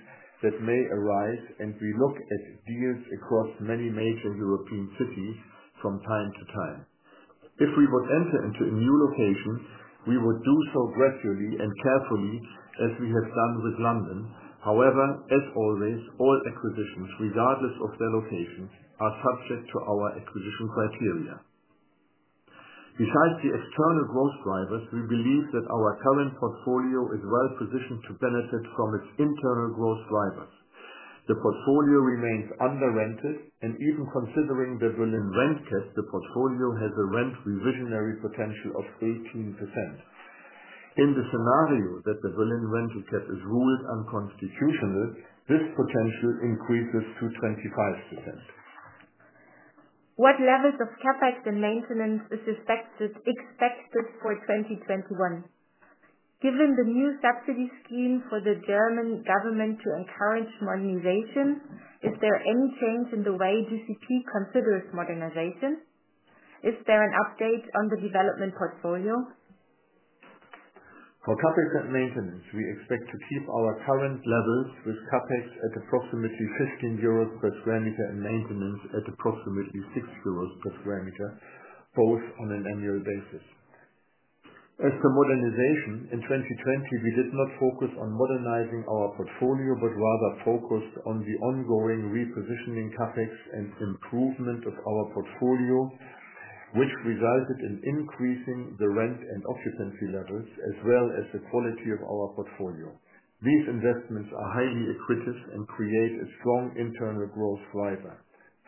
that may arise, and we look at deals across many major European cities from time to time. If we would enter into a new location, we would do so gradually and carefully as we have done with London. However, as always, all acquisitions, regardless of their location, are subject to our acquisition criteria. Besides the external growth drivers, we believe that our current portfolio is well positioned to benefit from its internal growth drivers. The portfolio remains under rented, and even considering the Berlin rent cap, the portfolio has a rent revisionary potential of 18%. In the scenario that the Berlin rent cap is ruled unconstitutional, this potential increases to 25%. What levels of CapEx and maintenance is expected for 2021? Given the new subsidy scheme for the German government to encourage modernization, is there any change in the way GCP considers modernization? Is there an update on the development portfolio? For CapEx and maintenance, we expect to keep our current levels with CapEx at approximately 15 euros per square meter, and maintenance at approximately 6 euros per square meter, both on an annual basis. As for modernization, in 2020, we did not focus on modernizing our portfolio, but rather focused on the ongoing repositioning CapEx and improvement of our portfolio, which resulted in increasing the rent and occupancy levels as well as the quality of our portfolio. These investments are highly accretive and create a strong internal growth driver.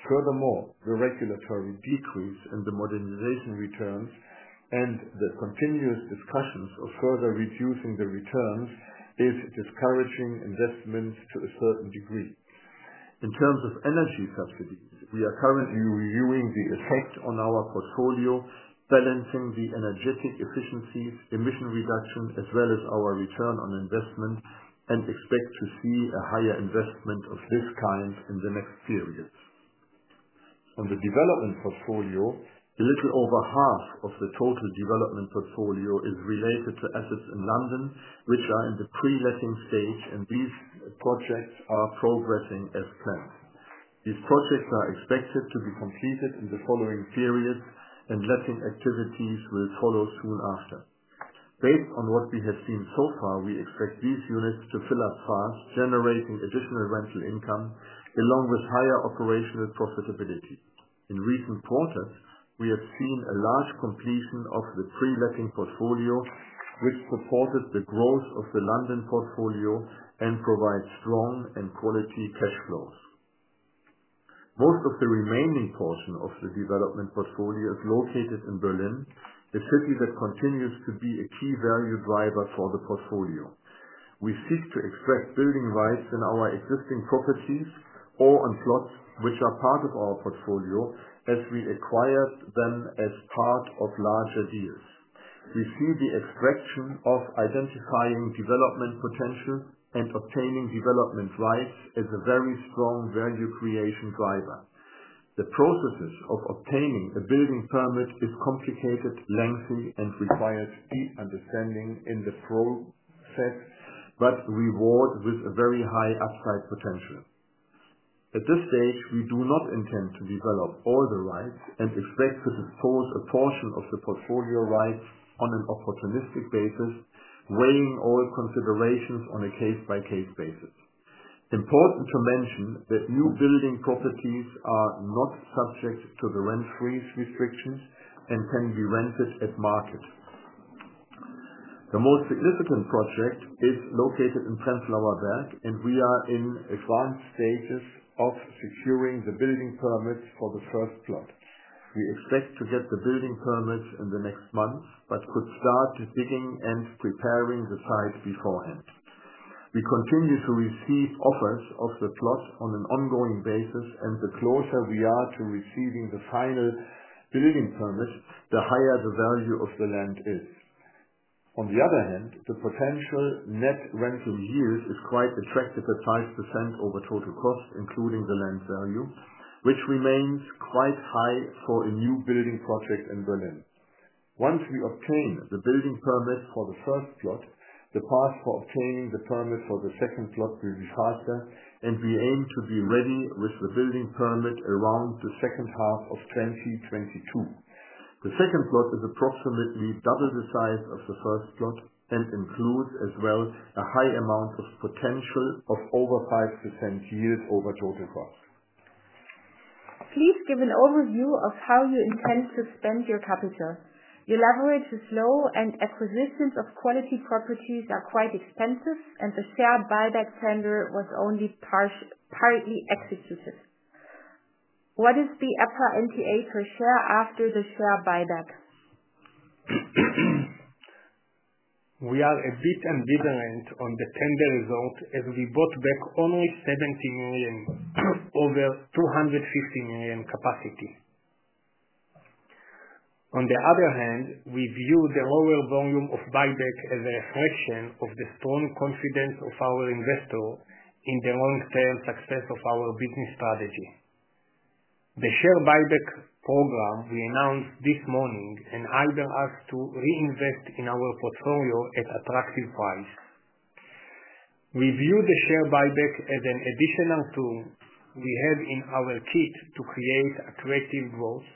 Furthermore, the regulatory decrease in the modernization returns and the continuous discussions of further reducing the returns is discouraging investments to a certain degree. In terms of energy subsidies, we are currently reviewing the effect on our portfolio, balancing the energetic efficiencies, emission reduction, as well as our return on investment, and expect to see a higher investment of this kind in the next period. On the development portfolio, a little over half of the total development portfolio is related to assets in London, which are in the pre-letting stage, and these projects are progressing as planned. These projects are expected to be completed in the following period, and letting activities will follow soon after. Based on what we have seen so far, we expect these units to fill up fast, generating additional rental income along with higher operational profitability. In recent quarters, we have seen a large completion of the pre-letting portfolio, which supported the growth of the London portfolio and provides strong and quality cash flows. Most of the remaining portion of the development portfolio is located in Berlin, a city that continues to be a key value driver for the portfolio. We seek to extract building rights in our existing properties or on plots, which are part of our portfolio, as we acquired them as part of larger deals. We see the extraction of identifying development potential and obtaining development rights as a very strong value creation driver. The processes of obtaining a building permit is complicated, lengthy, and requires deep understanding in the process, but reward with a very high upside potential. At this stage, we do not intend to develop all the rights and expect to dispose a portion of the portfolio rights on an opportunistic basis, weighing all considerations on a case-by-case basis. Important to mention that new building properties are not subject to the rent freeze restrictions and can be rented at market. The most significant project is located in Prenzlauer Berg, and we are in advanced stages of securing the building permits for the first plot. We expect to get the building permits in the next month, but could start digging and preparing the site beforehand. We continue to receive offers of the plot on an ongoing basis, and the closer we are to receiving the final building permits, the higher the value of the land is. On the other hand, the potential net rental yields is quite attractive at 5% over total cost, including the land value, which remains quite high for a new building project in Berlin. Once we obtain the building permit for the first plot, the path for obtaining the permit for the second plot will be faster, and we aim to be ready with the building permit around the second half of 2022. The second plot is approximately double the size of the first plot and includes as well a high amount of potential of over 5% yield over total cost. Please give an overview of how you intend to spend your capital. Your leverage is low, acquisitions of quality properties are quite expensive, the share buyback tender was only partly executed. What is the EPRA NTA per share after the share buyback? We are a bit ambivalent on the tender result, as we bought back only 17 million over 250 million capacity. We view the lower volume of buyback as a reflection of the strong confidence of our investor in the long-term success of our business strategy. The share buyback program we announced this morning enabled us to reinvest in our portfolio at attractive price. We view the share buyback as an additional tool we have in our kit to create accretive growth,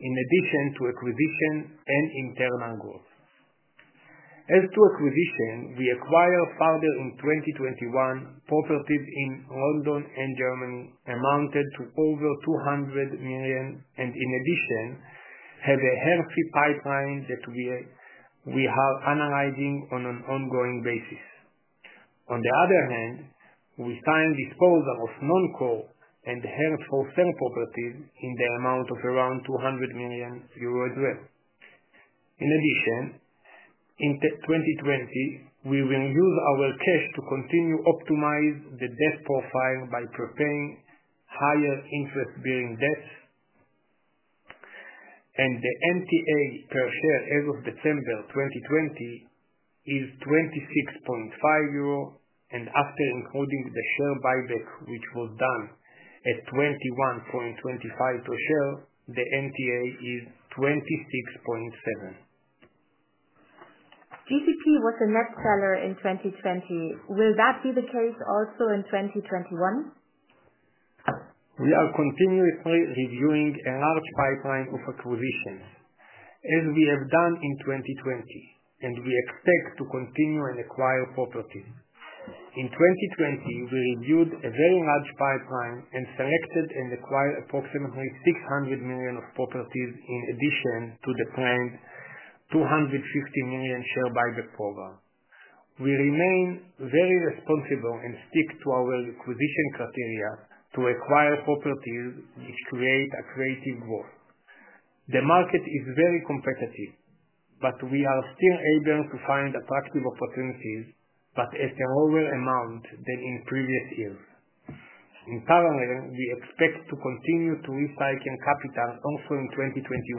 in addition to acquisition and internal growth. We acquire further in 2021 properties in London and Germany amounted to over 200 million. Have a healthy pipeline that we are analyzing on an ongoing basis. We plan disposal of non-core and held-for-sale properties in the amount of around 200 million euro as well. In 2020, we will use our cash to continue to optimize the debt profile by preparing higher interest-bearing debts. The NTA per share as of December 2020 is 26.5 euro. After including the share buyback, which was done at 21.25 per share, the NTA is 26.7. GCP was a net seller in 2020. Will that be the case also in 2021? We are continuously reviewing a large pipeline of acquisitions, as we have done in 2020. We expect to continue and acquire property. In 2020, we reviewed a very large pipeline and selected and acquired approximately 600 million of properties in addition to the planned 250 million share buyback program. We remain very responsible and stick to our acquisition criteria to acquire properties which create accretive growth. The market is very competitive. We are still able to find attractive opportunities, but at a lower amount than in previous years. In parallel, we expect to continue to recycle capital also in 2021,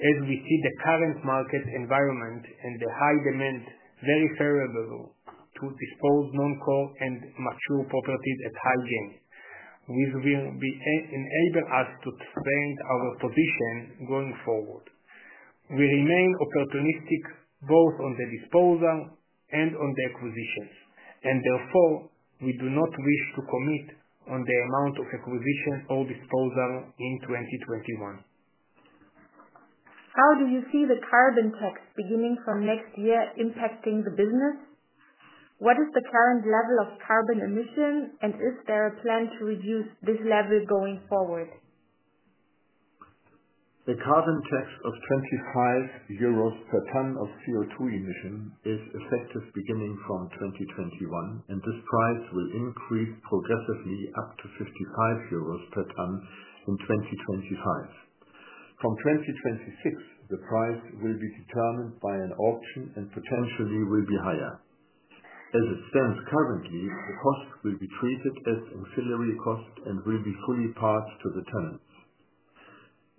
as we see the current market environment and the high demand very favorable to dispose non-core and mature properties at high gains. This will enable us to strengthen our position going forward. We remain opportunistic both on the disposal and on the acquisitions. Therefore we do not wish to commit on the amount of acquisition or disposal in 2021. How do you see the carbon tax beginning from next year impacting the business? What is the current level of carbon emission, and is there a plan to reduce this level going forward? The carbon tax of 25 euros per ton of CO2 emission is effective beginning from 2021. This price will increase progressively up to 55 euros per ton in 2025. From 2026, the price will be determined by an auction and potentially will be higher. As it stands currently, the cost will be treated as ancillary cost and will be fully passed to the tenants.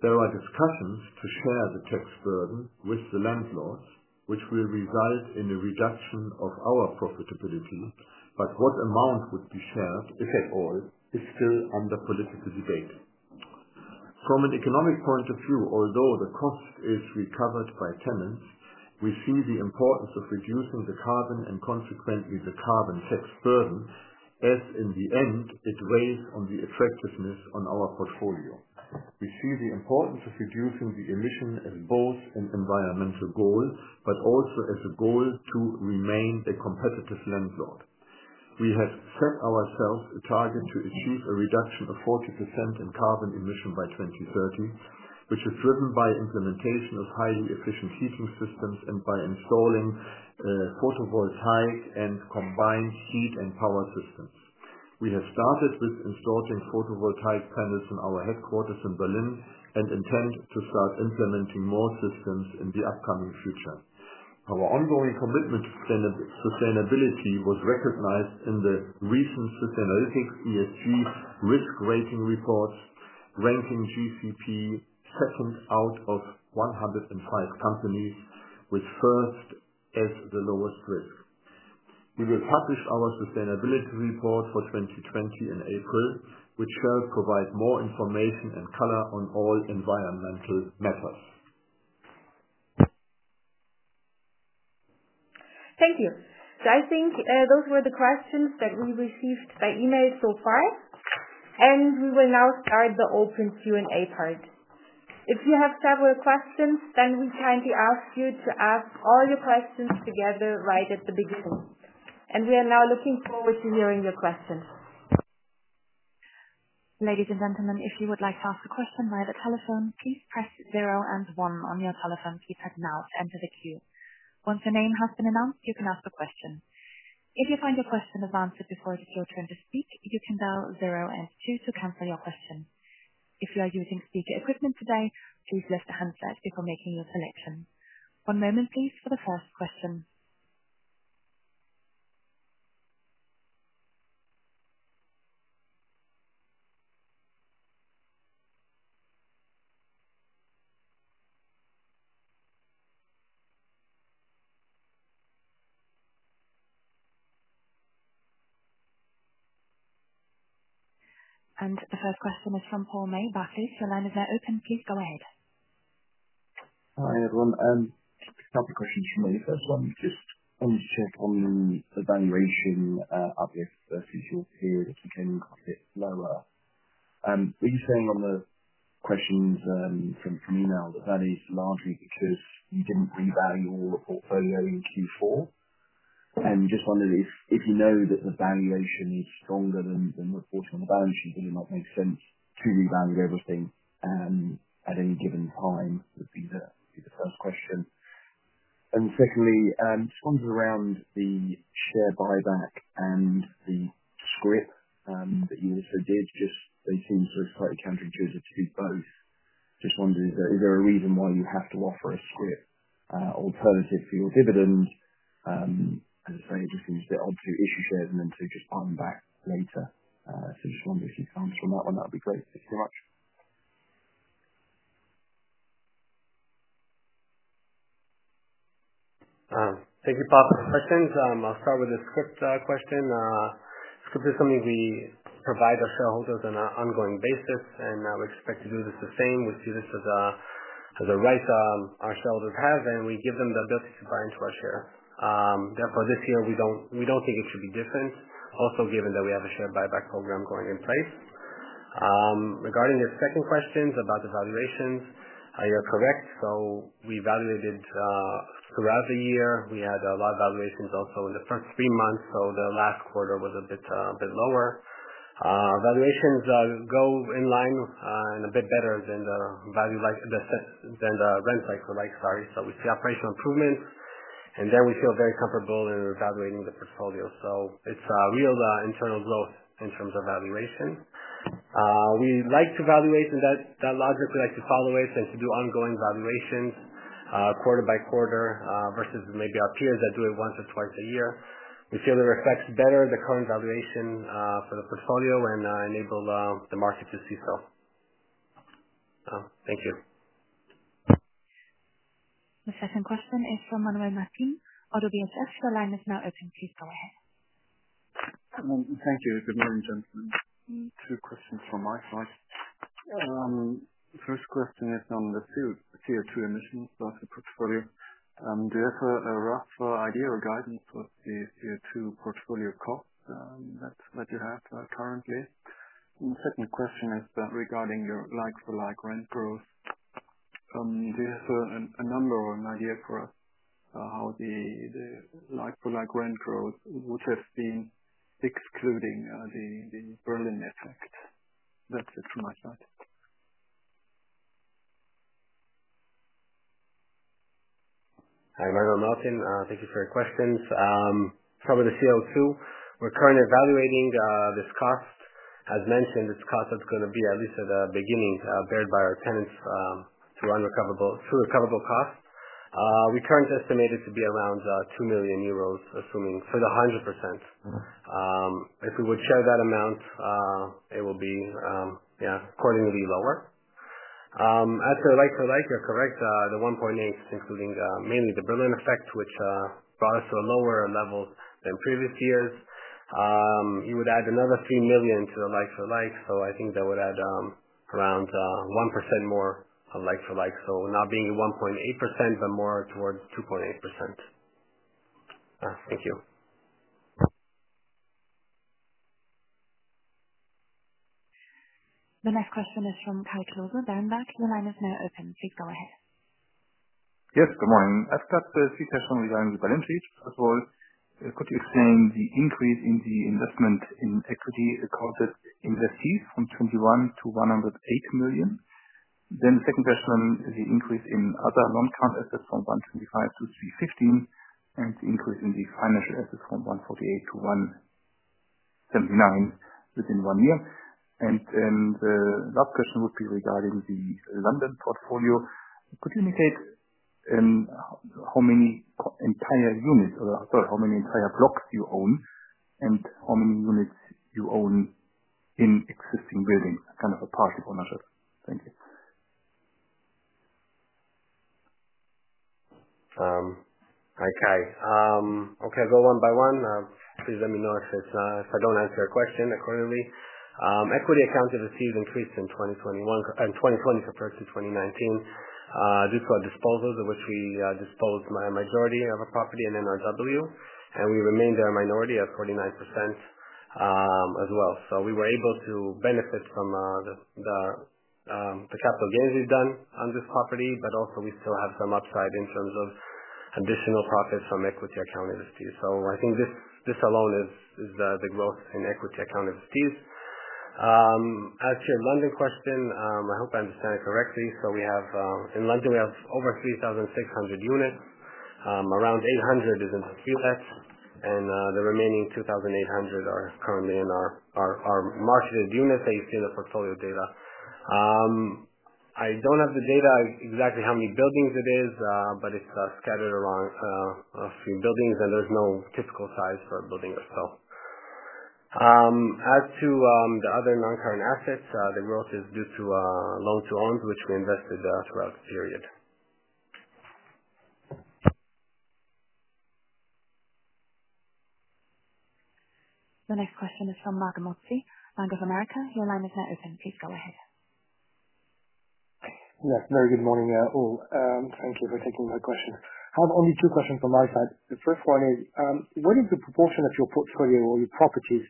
There are discussions to share the tax burden with the landlords, which will result in a reduction of our profitability, but what amount would be shared, if at all, is still under political debate. From an economic point of view, although the cost is recovered by tenants, we see the importance of reducing the carbon and consequently the carbon tax burden, as in the end, it weighs on the effectiveness on our portfolio. We see the importance of reducing the emission as both an environmental goal, also as a goal to remain a competitive landlord. We have set ourselves a target to achieve a reduction of 40% in carbon emission by 2030, which is driven by implementation of highly efficient heating systems and by installing photovoltaic and combined heat and power systems. We have started with installing photovoltaic panels in our headquarters in Berlin and intend to start implementing more systems in the upcoming future. Our ongoing commitment to sustainability was recognized in the recent Sustainalytics ESG risk rating report, ranking GCP second out of 105 companies, with first as the lowest risk. We will publish our sustainability report for 2020 in April, which shall provide more information and color on all environmental matters. Thank you. I think those were the questions that we received by email so far. We will now start the open Q&A part. If you have several questions, we kindly ask you to ask all your questions together right at the beginning. We are now looking forward to hearing your questions. Ladies and gentlemen, if you would like to ask a question via the telephone, please press zero and one on your telephone keypad now to enter the queue. Once your name has been announced, you can ask a question. If you find your question has answered before it is your turn to speak, you can dial zero and two to cancel your question. If you are using speaker equipment today, please lift the handset before making your selection. One moment please for the first question. The first question is from Paul May, Barclays. Your line is now open. Please go ahead. Hi, everyone. A couple questions from me. First one, just wanted to check on the valuation update versus your period, it became a bit lower. Are you saying on the questions from email that that is largely because you didn't revalue all the portfolio in Q4? Just wondered if you know that the valuation is stronger than reported on the balance sheet, then it might make sense to revalue everything at any given time, would be the first question. Secondly, just wondering around the share buyback and the scrip that you also did, just they seem sort of quite counterintuitive to do both. Just wondering, is there a reason why you have to offer a scrip alternative to your dividends? It just seems a bit odd to issue shares and then to just buy them back later. Just wondering if you can comment on that one, that'd be great. Thank you very much. Thank you for your questions. I'll start with the scrip question. Scrip is something we provide our shareholders on an ongoing basis, and we expect to do this the same. We see this as a right our shareholders have, and we give them the ability to buy into our share. Therefore, this year, we don't think it should be different, also given that we have a share buyback program going in place. Regarding the second question about the valuation, you're correct. We valuated throughout the year. We had a lot of valuations also in the first three months. The last quarter was a bit lower. Valuations go in line, and a bit better than the value than the rent like for like, sorry. We see operational improvements, and there we feel very comfortable in evaluating the portfolio. It's a real internal growth in terms of valuation. We like to valuation, that logic we like to follow is, like, we do ongoing valuations quarter by quarter versus maybe our peers that do it once or twice a year. We feel it reflects better the current valuation for the portfolio and enable the market to see so. Thank you. The second question is from Manuel Martin, ODDO BHF. Your line is now open. Please go ahead. Thank you. Good morning, gentlemen. Two questions from my side. First question is on the CO2 emissions of the portfolio. Do you have a rough idea or guidance what the CO2 portfolio cost that you have currently? Second question is regarding your like-for-like rent growth. Do you have a number or an idea for us how the like-for-like rent growth would have been excluding the Berlin effect? That's it from my side. Hi, Manuel Martin. Thank you for your questions. To cover the CO2, we're currently evaluating this cost. As mentioned, this cost is going to be, at least at the beginning, borne by our tenants through recoverable costs. We currently estimate it to be around 2 million euros, assuming for the 100%. If we would share that amount, it will be accordingly lower. As for like-for-like, you're correct, the 1.8, including mainly the Berlin effect, which brought us to a lower level than previous years. You would add another 3 million to a like-for-like, I think that would add around 1% more of like-for-like. Not being 1.8%, but more towards 2.8%. Thank you. The next question is from Kai Klose, Berenberg. Your line is now open. Please go ahead. Yes, good morning. I've got three questions regarding the balance sheet. First of all, could you explain the increase in the investment in equity accounted investors from 21 to 108 million? The second question, the increase in other non-current assets from 125 to 315, and the increase in the financial assets from 148 to 179 within one year. The last question would be regarding the London portfolio. Could you indicate how many entire units or, sorry, how many entire blocks you own, and how many units you own in existing buildings? Kind of a partial ownership. Thank you. Okay. I'll go one by one. Please let me know if I don't answer a question accordingly. Equity accounted received increased in 2020 compared to 2019, due to our disposals of which we disposed majority of our property in NRW, and we remained a minority at 49% as well. Also we still have some upside in terms of additional profits from equity account investors. I think this alone is the growth in equity account investors. As to your London question, I hope I understand it correctly. In London, we have over 3,600 units. Around 800 is in PS, and the remaining 2,800 are currently in our marketed units that you see in the portfolio data. I don't have the data exactly how many buildings it is, but it's scattered along a few buildings, and there's no typical size for a building itself. As to the other non-current assets, the growth is due to loan to owns, which we invested throughout the period. The next question is from Marc Mozzi, Bank of America. Your line is now open. Please go ahead. Yes, very good morning all. Thank you for taking my question. I have only two questions from my side. The first one is, what is the proportion of your portfolio or your properties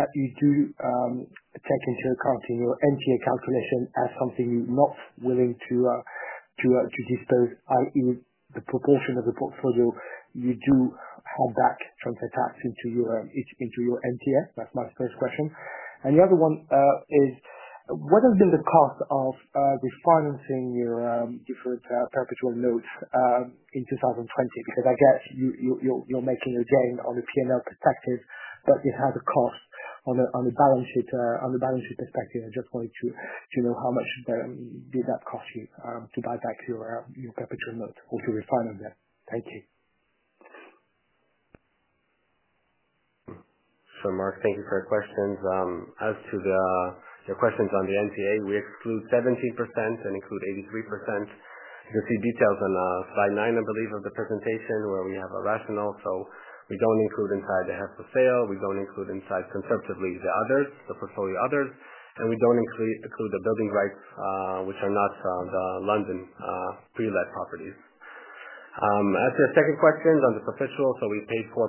that you do take into account in your NTA calculation as something you're not willing. To dispose, i.e., the proportion of the portfolio you do hold back from the tax into your NTA. That's my first question. The other one is, what has been the cost of refinancing your different perpetual notes, in 2020? Because I get you're making a gain on the P&L perspective, but it has a cost on the balance sheet perspective. I just wanted to know how much did that cost you to buy back your perpetual note or to refinance it? Thank you. Mark, thank you for your questions. As to your questions on the NTA, we exclude 70% and include 83%. You can see details on slide nine, I believe, of the presentation, where we have a rationale. We don't include inside the held for sale, we don't include inside conservatively the others, the portfolio others, and we don't include the building rights, which are not the London pre-letting properties. As to the second question on the perpetual, we paid 4% We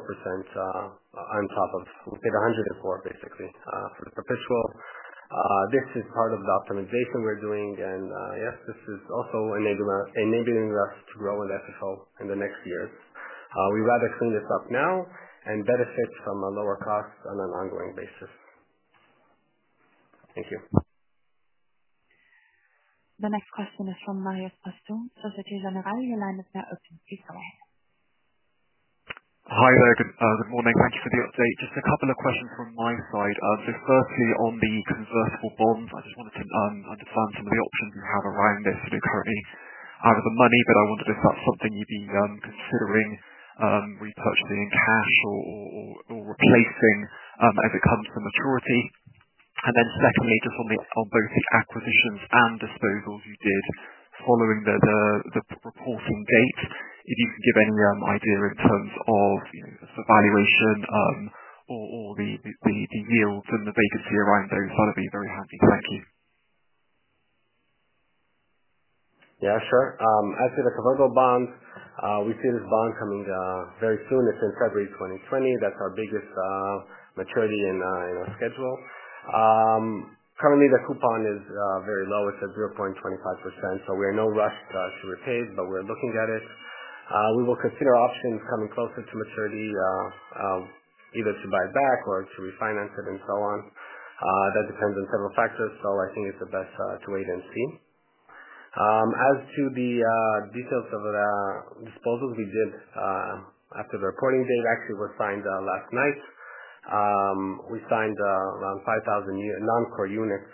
paid 104, basically, for the perpetual. This is part of the optimization we're doing and yes, this is also enabling us to grow with FFO in the next years. We'd rather clean this up now and benefit from a lower cost on an ongoing basis. Thank you. The next question is from Marios Pastou. Société Générale, your line is now open. Please go ahead. Hi there. Good morning. Thank you for the update. Just a couple of questions from my side. Just firstly, on the convertible bonds, I just wanted to understand some of the options you have around this. They're currently out of the money, but I wonder if that's something you'd be considering repurchasing in cash or replacing, as it comes to maturity. Then secondly, just on both the acquisitions and disposals you did following the reporting date, if you could give any idea in terms of valuation, or the yields and the vacancy around those, that'd be very helpful. Thank you. Yeah, sure. As to the convertible bonds, we see this bond coming very soon. It's in February 2020. That's our biggest maturity in our schedule. Currently, the coupon is very low. It's at 0.25%. So we're in no rush to repay it, but we're looking at it. We will consider options coming closer to maturity, either to buy back or to refinance it and so on. That depends on several factors, so I think it's best to wait and see. As to the details of the disposals we did after the reporting date, actually were signed last night. We signed around 5,000 non-core units,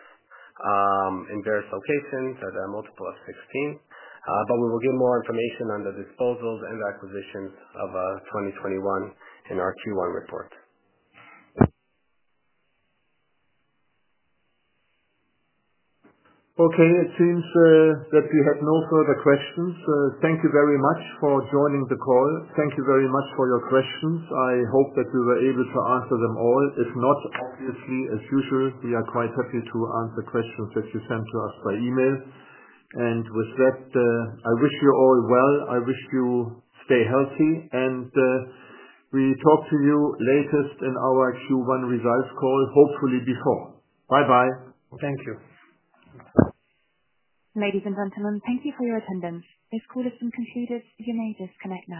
in various locations at a multiple of 16. We will give more information on the disposals and acquisitions of 2021 in our Q1 report. Okay. It seems that we have no further questions. Thank you very much for joining the call. Thank you very much for your questions. I hope that we were able to answer them all. If not, obviously, as usual, we are quite happy to answer questions that you send to us by email. With that, I wish you all well. I wish you stay healthy. We talk to you latest in our Q1 results call, hopefully before. Bye-bye. Thank you. Ladies and gentlemen, thank you for your attendance. This call has been concluded. You may disconnect now.